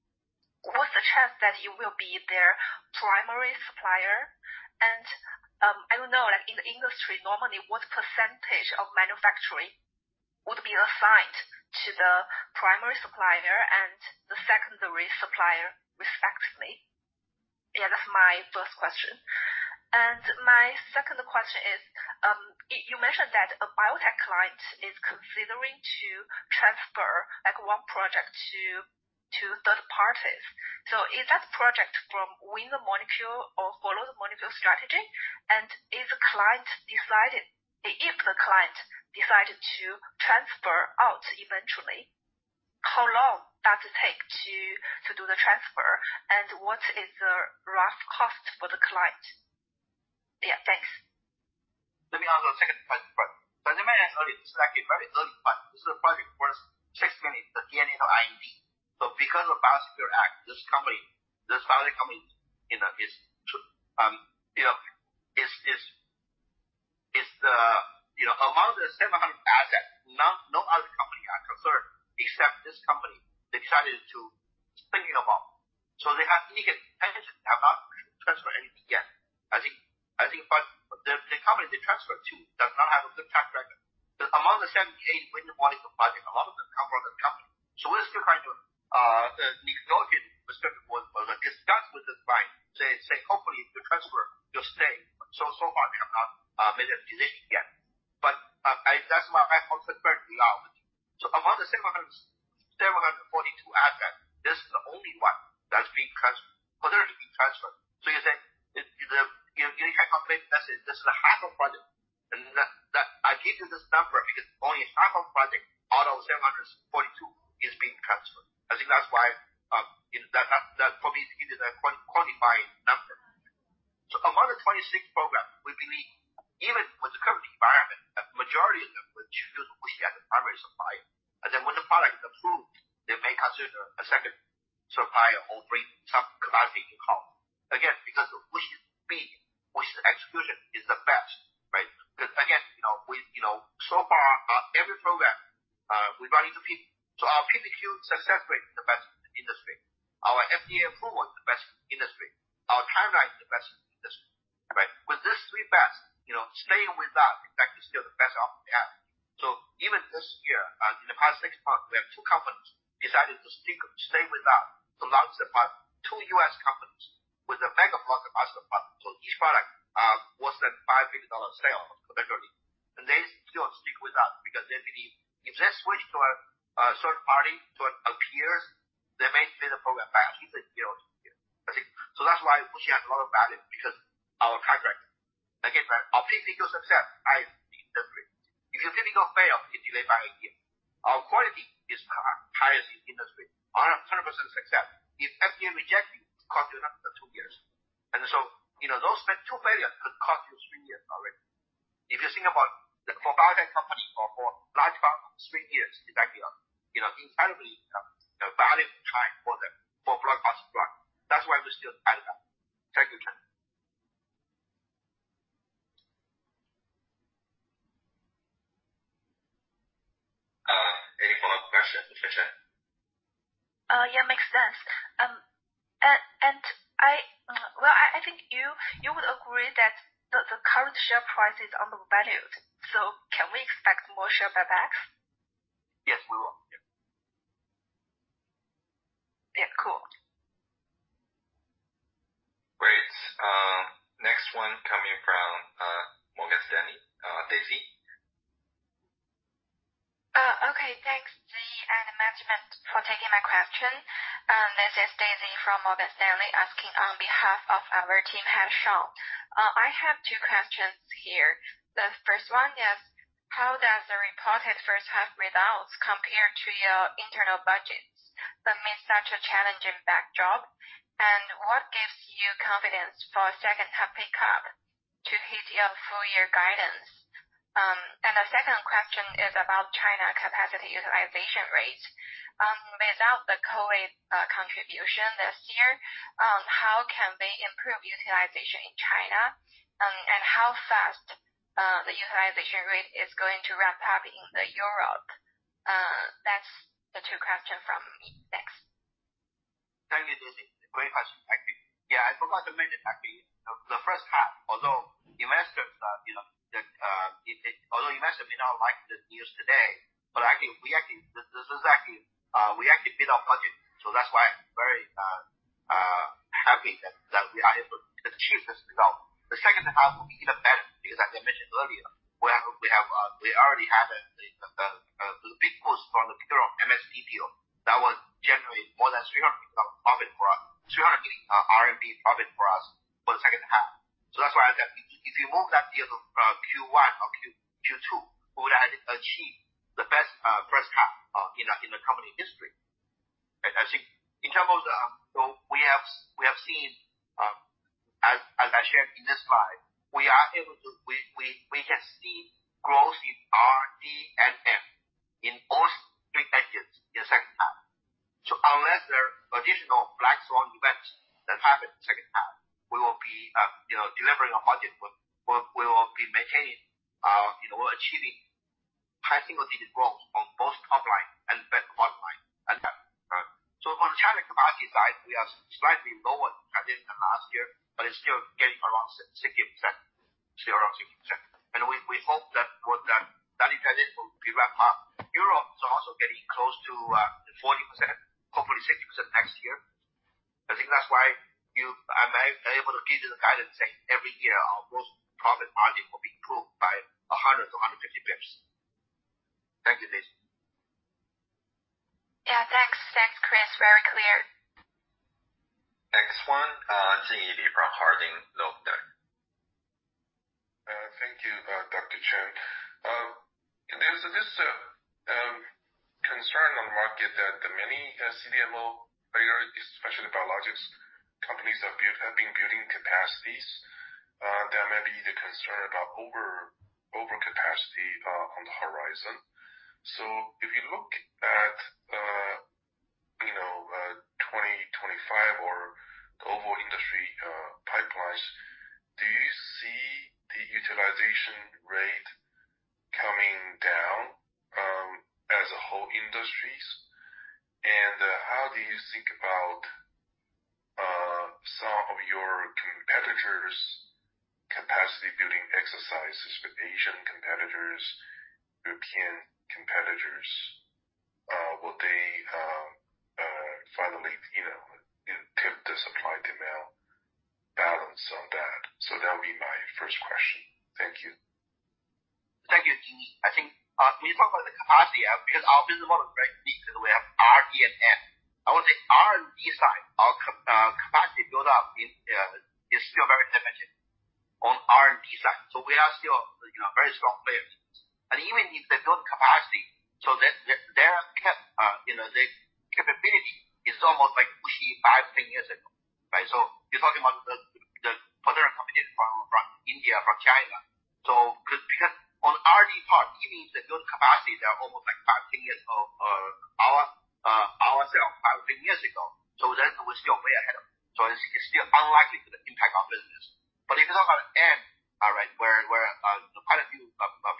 what's the chance that you will be their primary supplier? And, I don't know, like, in the industry, normally, what percentage of manufacturing would be assigned to the primary supplier and the secondary supplier, respectively? Yeah, that's my first question. And my second question is, you mentioned that a biotech client is considering to transfer, like, one project to third parties. So is that project from win the molecule or follow the molecule strategy? And if the client decided to transfer out eventually, how long does it take to do the transfer, and what is the rough cost for the client? Yeah, thanks. Let me answer the second part first. So let me add only slightly, but this is a project worth $60 million, the DNA or IEP. So because of BioSecure Act, this company, this family company, you know, is to, you know, is the, you know, among the 700 assets, none, no other company are concerned except this company, they decided to thinking about. So they have legally, they have not transferred anything yet. I think but the, the company they transfer to, does not have a good track record. Among the 780 Win-the-Molecule projects, a lot of them come from the company. So we're still trying to negotiate with, discuss with this client to say, "Hopefully, the transfer, you'll stay." So, so far, they have not made a decision yet. But that's why I call it very low. So among the seven hundred, seven hundred and forty-two assets, this is the only one that's being transferred, potentially being transferred. So you say, you know, unique company, that's it. This is a half of project. And that I gave you this number because only half of project out of seven hundred and forty-two is being transferred. I think that's why, you know, that for me, it is a qualifying number. So among the twenty-six programs, we believe even with the current environment, a majority of them would choose us as the primary supplier. And then when the product is approved, they may consider a second supplier or bring some capacity in-house. Again, because of which speed, which execution is the best, right? Because again, you know, we, you know, so far, every program we run into PPQ. So our PPQ success rate is the best in the industry. Our FDA approval is the best in the industry. Our timeline is the best in the industry, right? With these three best, you know, staying with us, is actually still the best option they have. So even this year, in the past six months, we have two companies decided to stick, stay with us, to launch the product. Two U.S. companies with a mega blockbuster product. So each product worth more than $5 billion in sales potentially, and they still stick with us because they believe if they switch to a third party, to our peers, they may set the program back six to 12 years. I think. So that's why we have a lot of value, because our track record... highest in industry. 100% success. If FDA reject you, it cost you another two years. And so, you know, those two failures could cost you three years already. If you think about that for biotech companies or for large pharma, three years is actually a, you know, incredibly, value time for them, for blood, sweat, and tears. That's why we still add up. Thank you, Chen. Any follow-up question, Chen Chen? Yeah, makes sense. Well, I think you would agree that the current share price is undervalued, so can we expect more share buybacks? Yes, we will. Yeah. Yeah. Cool. Great. Next one coming from, Morgan Stanley, Daisy. Okay. Thanks, Xi, and management for taking my question. This is Daisy from Morgan Stanley, asking on behalf of our team head, Sean. I have two questions here. The first one is: How does the reported first half results compare to your internal budgets amid such a challenging backdrop? What gives you confidence for a second half pickup to hit your full year guidance? The second question is about China capacity utilization rates. Without the COVID contribution this year, how can they improve utilization in China? How fast the utilization rate is going to ramp up in Europe? That's the two questions from me. Thanks. Thank you, Daisy. Great question. Thank you. Yeah, I forgot to mention, actually, the first half, although investors, you know, although investors may not like the news today, but I think we actually... This is actually, we actually beat our budget. So that's why I'm very happy that we are able to achieve this result. The second half will be even better, because as I mentioned earlier, we already have the big boost from the pure MSD deal that will generate more than 300 million profit for us for the second half. So that's why I said if you move that deal to Q1 or Q2, we would have achieved the best first half in the company history. I think in terms of so we have seen, as I shared in this slide, we are able to. We can see growth in RD&M in all three engines in the second half. So unless there are additional black swan events that happen second half, we will be you know delivering our budget, but we will be maintaining you know achieving high single-digit growth on both top line and bottom line. And so from the China capacity side, we are slightly lower than this last year, but it's still getting around 60%. Still around 60%. We hope that with that advantage will be ramped up. Europe is also getting close to 40%, hopefully 60% next year. I think that's why I'm able to give you the guidance that every year our gross profit margin will be improved by 100 to 150 basis points. Thank you, Daisy. Yeah, thanks. Thanks, Chris. Very clear. Next one, Jingyi Li from Harding Loevner. Thank you, Dr. Chen. There's this concern on the market that the many CDMO players, especially biologics companies, have built, have been building capacities. There may be the concern about overcapacity on the horizon. So if you look at 2025 or global industry pipelines, do you see the utilization rate coming down as a whole industries? And how do you think about some of your competitors' capacity building exercises with Asian competitors, European competitors? Will they finally, you know, tip the supply-demand balance on that? So that will be my first question. Thank you. Thank you, Jingyi. I think, when you talk about the capacity, because our business model is very unique, because we have RD&M. I would say R&D side, our capacity build up is still very effective on R&D side. So we are still, you know, very strong players. And even if they build capacity, their capability is almost like pushing five, ten years ago, right? So you're talking about the potential competition from India, from China. So because on the R&D part, even if they build capacity, they are almost like five, ten years old, our ourselves five, ten years ago. So then we're still way ahead of them. So it's still unlikely to impact our business. But if you talk about M, right, where quite a few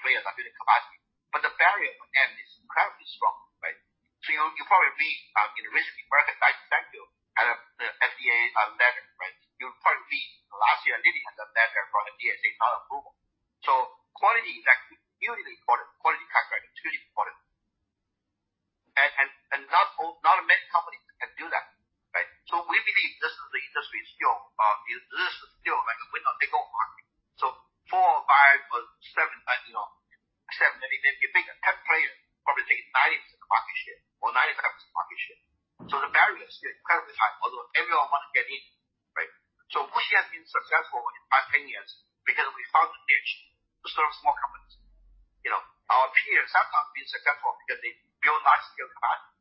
players are building capacity, but the barrier for M is incredibly strong, right? So you probably read in the recent market size deck build, and the FDA letter, right? You probably read last year, Lilly had a letter from the FDA approval. So quality is actually really important. Quality control is really important. And not all, not many companies can do that, right? So we believe this is the industry still, this is still like a winner-take-all market. So four or five or seven, you know, if you take 10 players, probably take 90% market share or 95% market share. So the barrier is incredibly high, although everyone want to get in... more companies. You know, our peers have not been successful because they build large-scale capacity,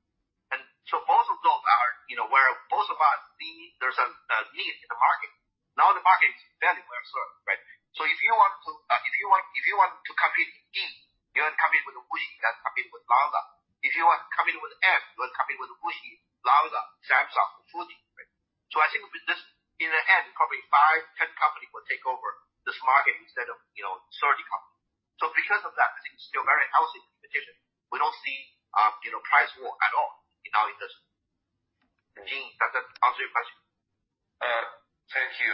and so both of those are, you know, where both of us see there's a need in the market. Now, the market is very well served, right? So if you want to compete in E, you're competing with WuXi. That's competing with Lonza. If you want to compete with M, you are competing with WuXi, Lonza, Samsung, Fuji, right? So I think with this, in the end, probably five tech companies will take over this market instead of, you know, 30 companies. Because of that, I think it's still very healthy competition. We don't see, you know, price war at all in our industry. Gene, does that answer your question? Thank you.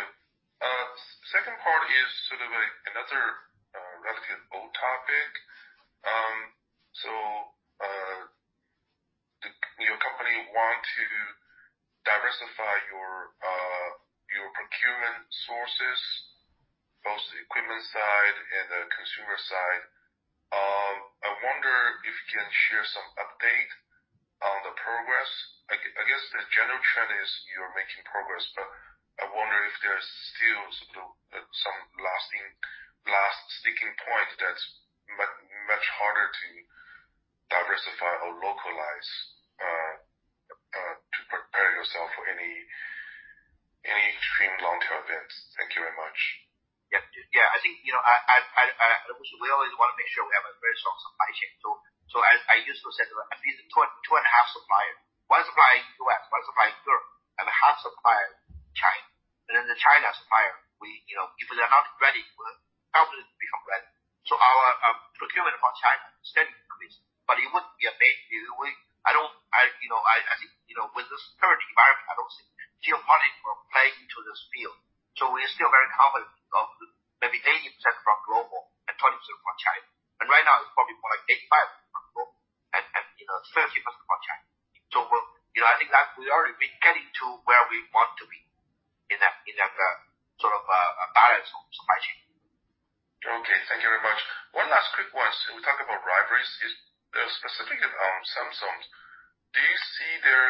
Second part is sort of, like, another, relatively old topic. So, your company want to diversify your, your procurement sources, both the equipment side and the consumer side. I wonder if you can share some update on the progress. I guess the general trend is you're making progress, but I wonder if there is still sort of, some lasting sticking point that's much harder to diversify or localize, to prepare yourself for any extreme long-term events. Thank you very much. Yep. Yeah, I think, you know, we always want to make sure we have a very strong supply chain. So as I used to say, at least two, two and a half supplier. One supplier in U.S., one supplier in Europe, and a half supplier in China. And then the China supplier, we, you know, if they're not ready, we'll help them become ready. So our procurement from China is steadily increased, but it wouldn't be a big deal. I don't. You know, I think, you know, with this current environment, I don't see geopolitics will play into this field. We are still very confident of maybe 80% from global and 20% from China. And right now, it's probably more like 85% from global and, you know, 30% from China. So we're, you know, I think that we already, we're getting to where we want to be in a sort of a balanced supply chain. Okay. Thank you very much. One last quick one. So we talked about rivalries specifically on Samsung. Do you see their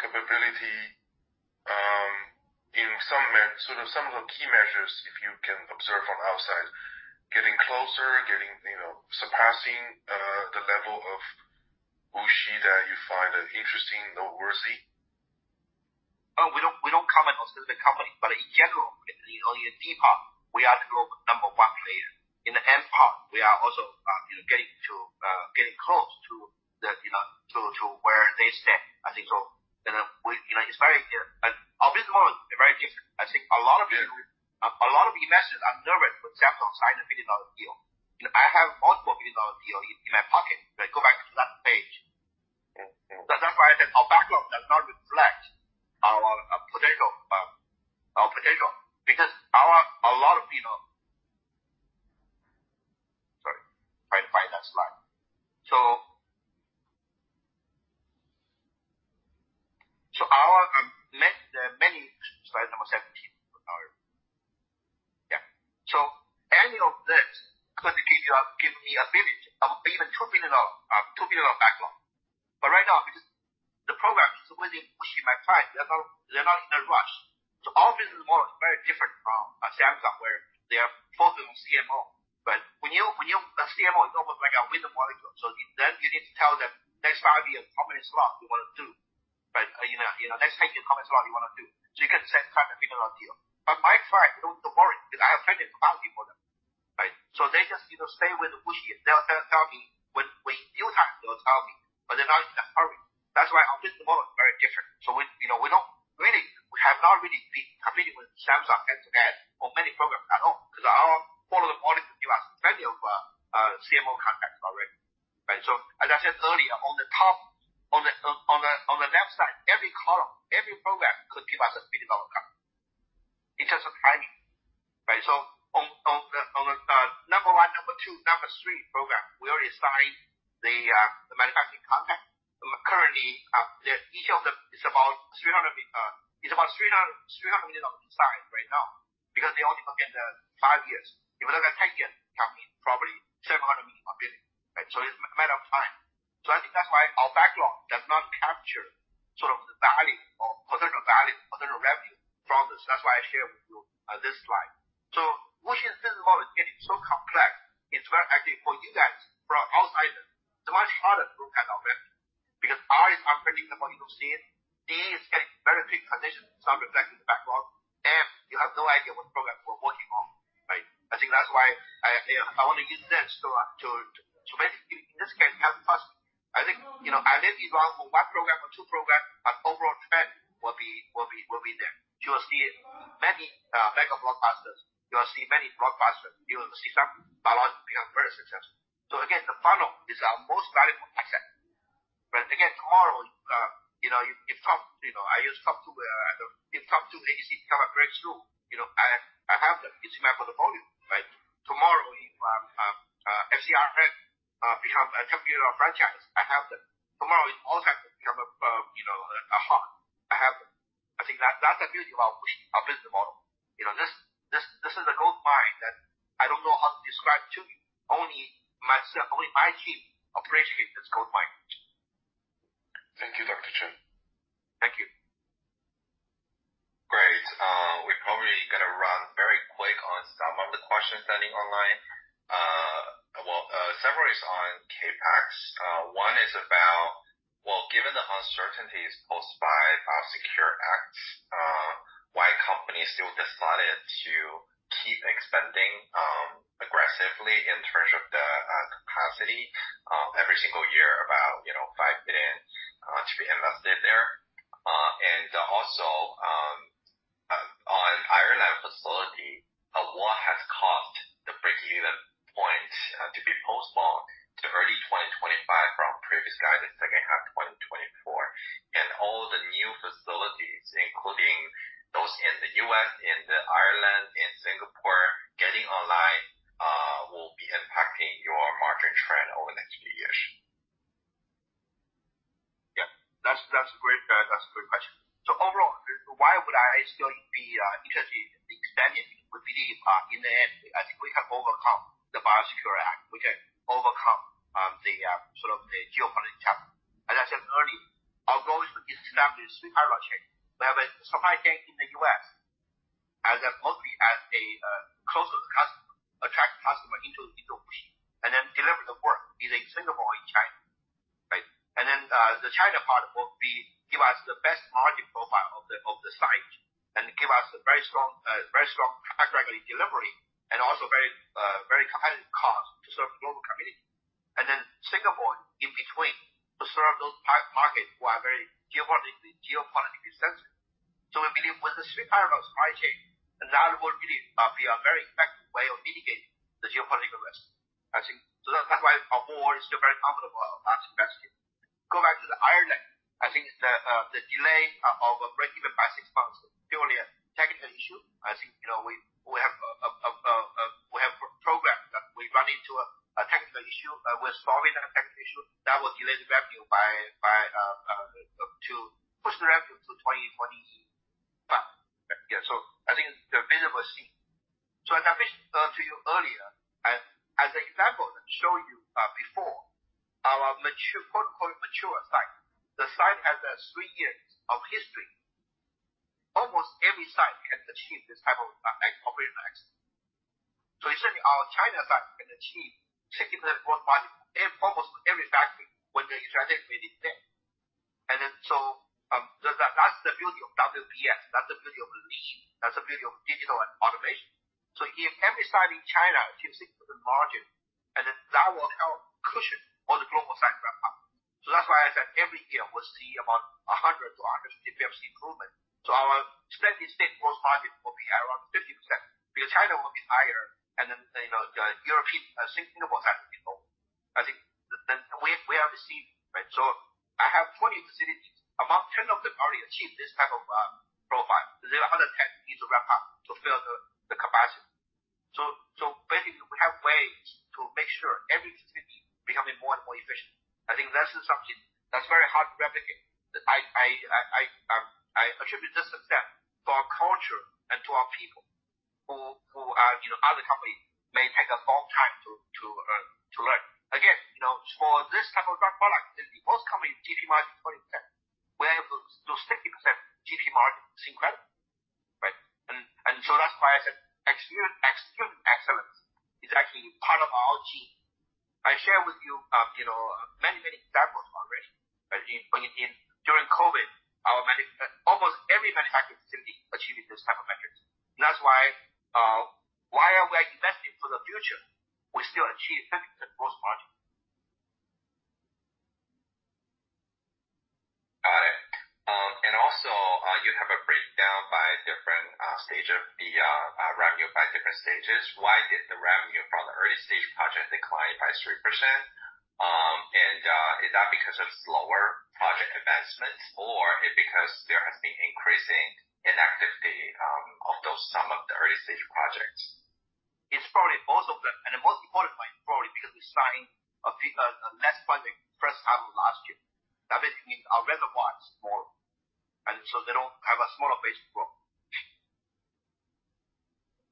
capability in some of the key measures, if you can observe from outside, getting closer, you know, surpassing the level of WuXi that you find interesting noteworthy? We don't comment on specific company, but in general, you know, in the ADC part, we are the global number one player. In the end-to-end part, we are also, you know, getting close to where they stand. I think so. We, you know, it's very, our business model is very different. I think a lot of the- Mm-hmm. A lot of investors are nervous with Samsung signing a $1 billion deal. You know, I have multiple $1 billion deal in my pocket, if I go back to that page. Mm-hmm. That's why I said our backlog does not reflect our potential, our potential, because a lot of, you know. Sorry, trying to find that slide. So many. Slide number 17. Yeah. So any of this could give you, give me $1 billion, even $2 billion backlog. But right now, because the programs within WuXi, my clients, they're not in a rush. So our business model is very different from Samsung, where they are focused on CMO. But when you, when you. A CMO, it's almost like a win-the-molecule. So then you need to tell them, next five years, how many slots you want to do, right? You know, next year, how many slots you want to do? So you can set time and figure out a deal. But my client, don't worry, because I have technical quality for them, right? So they just, you know, stay with WuXi. They'll tell me when due time, they'll tell me, but they're not in a hurry. That's why our business model is very different. So we, you know, we don't really. We have not really been competing with Samsung end-to-end or many programs at all, because our Follow-the-Molecule model gives us plenty of CMO contracts already. Right? So as I said earlier, on the left side, every column, every program could give us a $1 billion contract. It's just a timing, right? So on the number one, number two, number three program, we already signed the manufacturing contract. Currently, the... Each of them is about $300 million on design right now, because they only look at the 5 years. If they look at 10 years, probably $700 million-$1 billion, right? So it's a matter of time. So I think that's why our backlog does not capture sort of the value or potential value, potential revenue from this. That's why I share with you this slide. So WuXi's business model is getting so complex, it's actually very for you guys, from outsiders, it's much harder to get our revenue. Because R&D is unpredictable, you know. CDMO is getting very quick transition, sometimes reflecting the backlog. And you have no idea what the program we're working on, right? I think that's why I, you know, I want to use this to make it, in this case, help us. I think, you know, I live in one or two programs, but overall trend will be there. You will see many backlog partners, you will see many broad partners, you will see some biologics become very successful. So again, the funnel is our most valuable asset. But again, tomorrow, you know, if some, you know, I use top two, if top two ADCs become a breakthrough, you know, I have them. It's in my portfolio, right? Tomorrow, if CRISPR become a $10 billion franchise, I have them. Tomorrow, if cell therapies become a, you know, a hit, I have them. I think that's the beauty about WuXi, our business model. You know, this is a gold mine that I don't know how to describe to you. Only myself, only my team, appreciate this. ...We're probably gonna run very quick on some of the questions sent in online. Well, several is on CapEx. One is about, well, given the uncertainties posed by BioSecure Act, why companies still decided to keep expanding aggressively in terms of the capacity every single year about, you know, 5 billion to be invested there. And also, So our steady-state gross margin will be around 50%, because China will be higher, and then, you know, the European, Singapore site will be low. I think then we have seen, right? So I have 20 facilities, about 10 of them already achieved this type of profile. The other 10 needs to ramp up to fill the capacity. So basically, we have ways to make sure every facility becoming more and more efficient. I think that's something that's very hard to replicate. I attribute this success to our culture and to our people who are, you know, other company may take a long time to learn. Again, you know, for this type of drug product, most company GP margin is 20%. We're able to do 60% GP margin. It's incredible, right? And so that's why I said pursue excellence is actually part of our gene. I share with you, you know, many examples already. But during COVID, almost every manufacturing facility achieving those type of metrics. That's why, while we are investing for the future, we still achieve 50% gross margin. Got it. And also, you have a breakdown by different stage of the revenue by different stages. Why did the revenue from the early stage project decline by 3%? And, is that because of slower project advancements or is it because there has been increasing inactivity of those some of the early stage projects? It's probably both of them, and the most important point, probably because we're signing off the large projects first half of last year. That basically means our revenue was more, and so we don't have a smaller base to grow.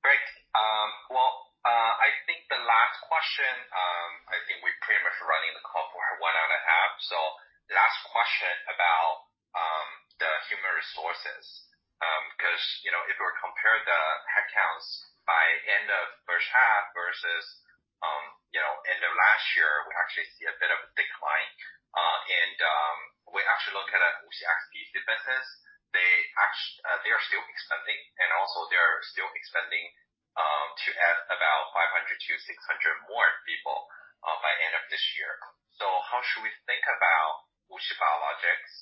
Great. I think the last question. I think we're pretty much running the call for one hour and a half. So last question about the human resources. Because, you know, if we compare the headcounts by end of first half versus, you know, end of last year, we actually see a bit of a decline. And we actually look at WuXi XDC business. They are still expanding to add about five hundred to six hundred more people by end of this year. So how should we think about WuXi Biologics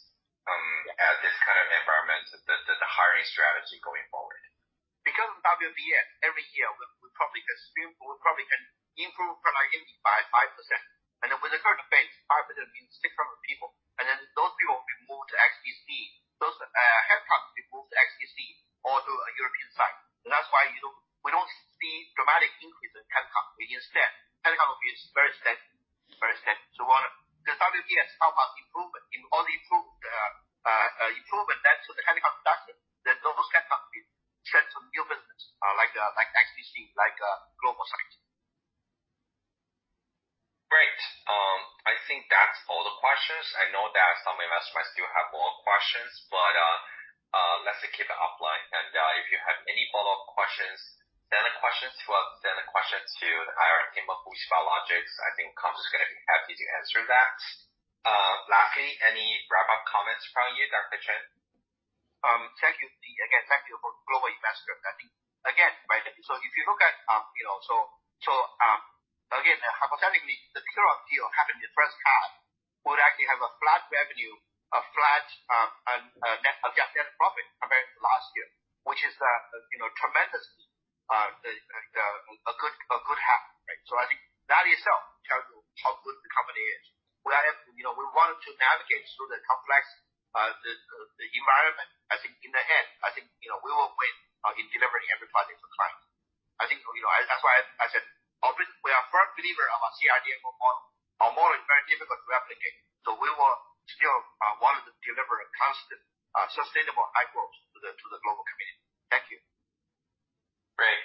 at this kind of environment, the hiring strategy going forward? Because WBS, every year, we probably can streamline, we probably can improve productivity by 5%. And then with the current base, 5% means 600 people, and then those people move to XDC. Those headcounts be moved to XDC or to a European site. So that's why you don't, we don't see dramatic increase in headcount. We instead, headcount will be very steady, very steady. So what the WBS help us improvement, it only improve the improvement then to the headcount reduction, then those headcount can transform new business, like XDC, like global site. Great. I think that's all the questions. I know that some investors still have more questions, but let's keep it offline, and if you have any follow-up questions, send the questions to us, send the questions to the IR team of WuXi Biologics. I think company's gonna be happy to answer that. Lastly, any wrap-up comments from you, Dr. Chen? Thank you. Again, thank you for global investor meeting. Again, right, so if you look at, you know, so again, hypothetically, the Curon deal happened in the first half, we would actually have a flat revenue, a flat net profit compared to last year, which is, you know, tremendously a good half, right? So I think that itself tells you how good the company is. We are, you know, we wanted to navigate through the complex environment. I think in the end, I think, you know, we will win in delivering every product for client. I think, you know, that's why I said, always we are a firm believer of our CRDMO model. Our model is very difficult to replicate, so we will still want to deliver a constant sustainable high growth to the global community. Thank you. Great.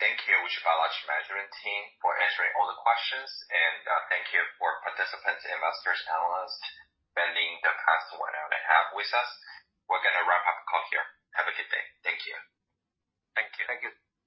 Thank you, WuXi Biologics management team for answering all the questions, and thank you for participants, investors, analysts, spending the past one hour and a half with us. We're gonna wrap up the call here. Have a good day. Thank you. Thank you. Thank you.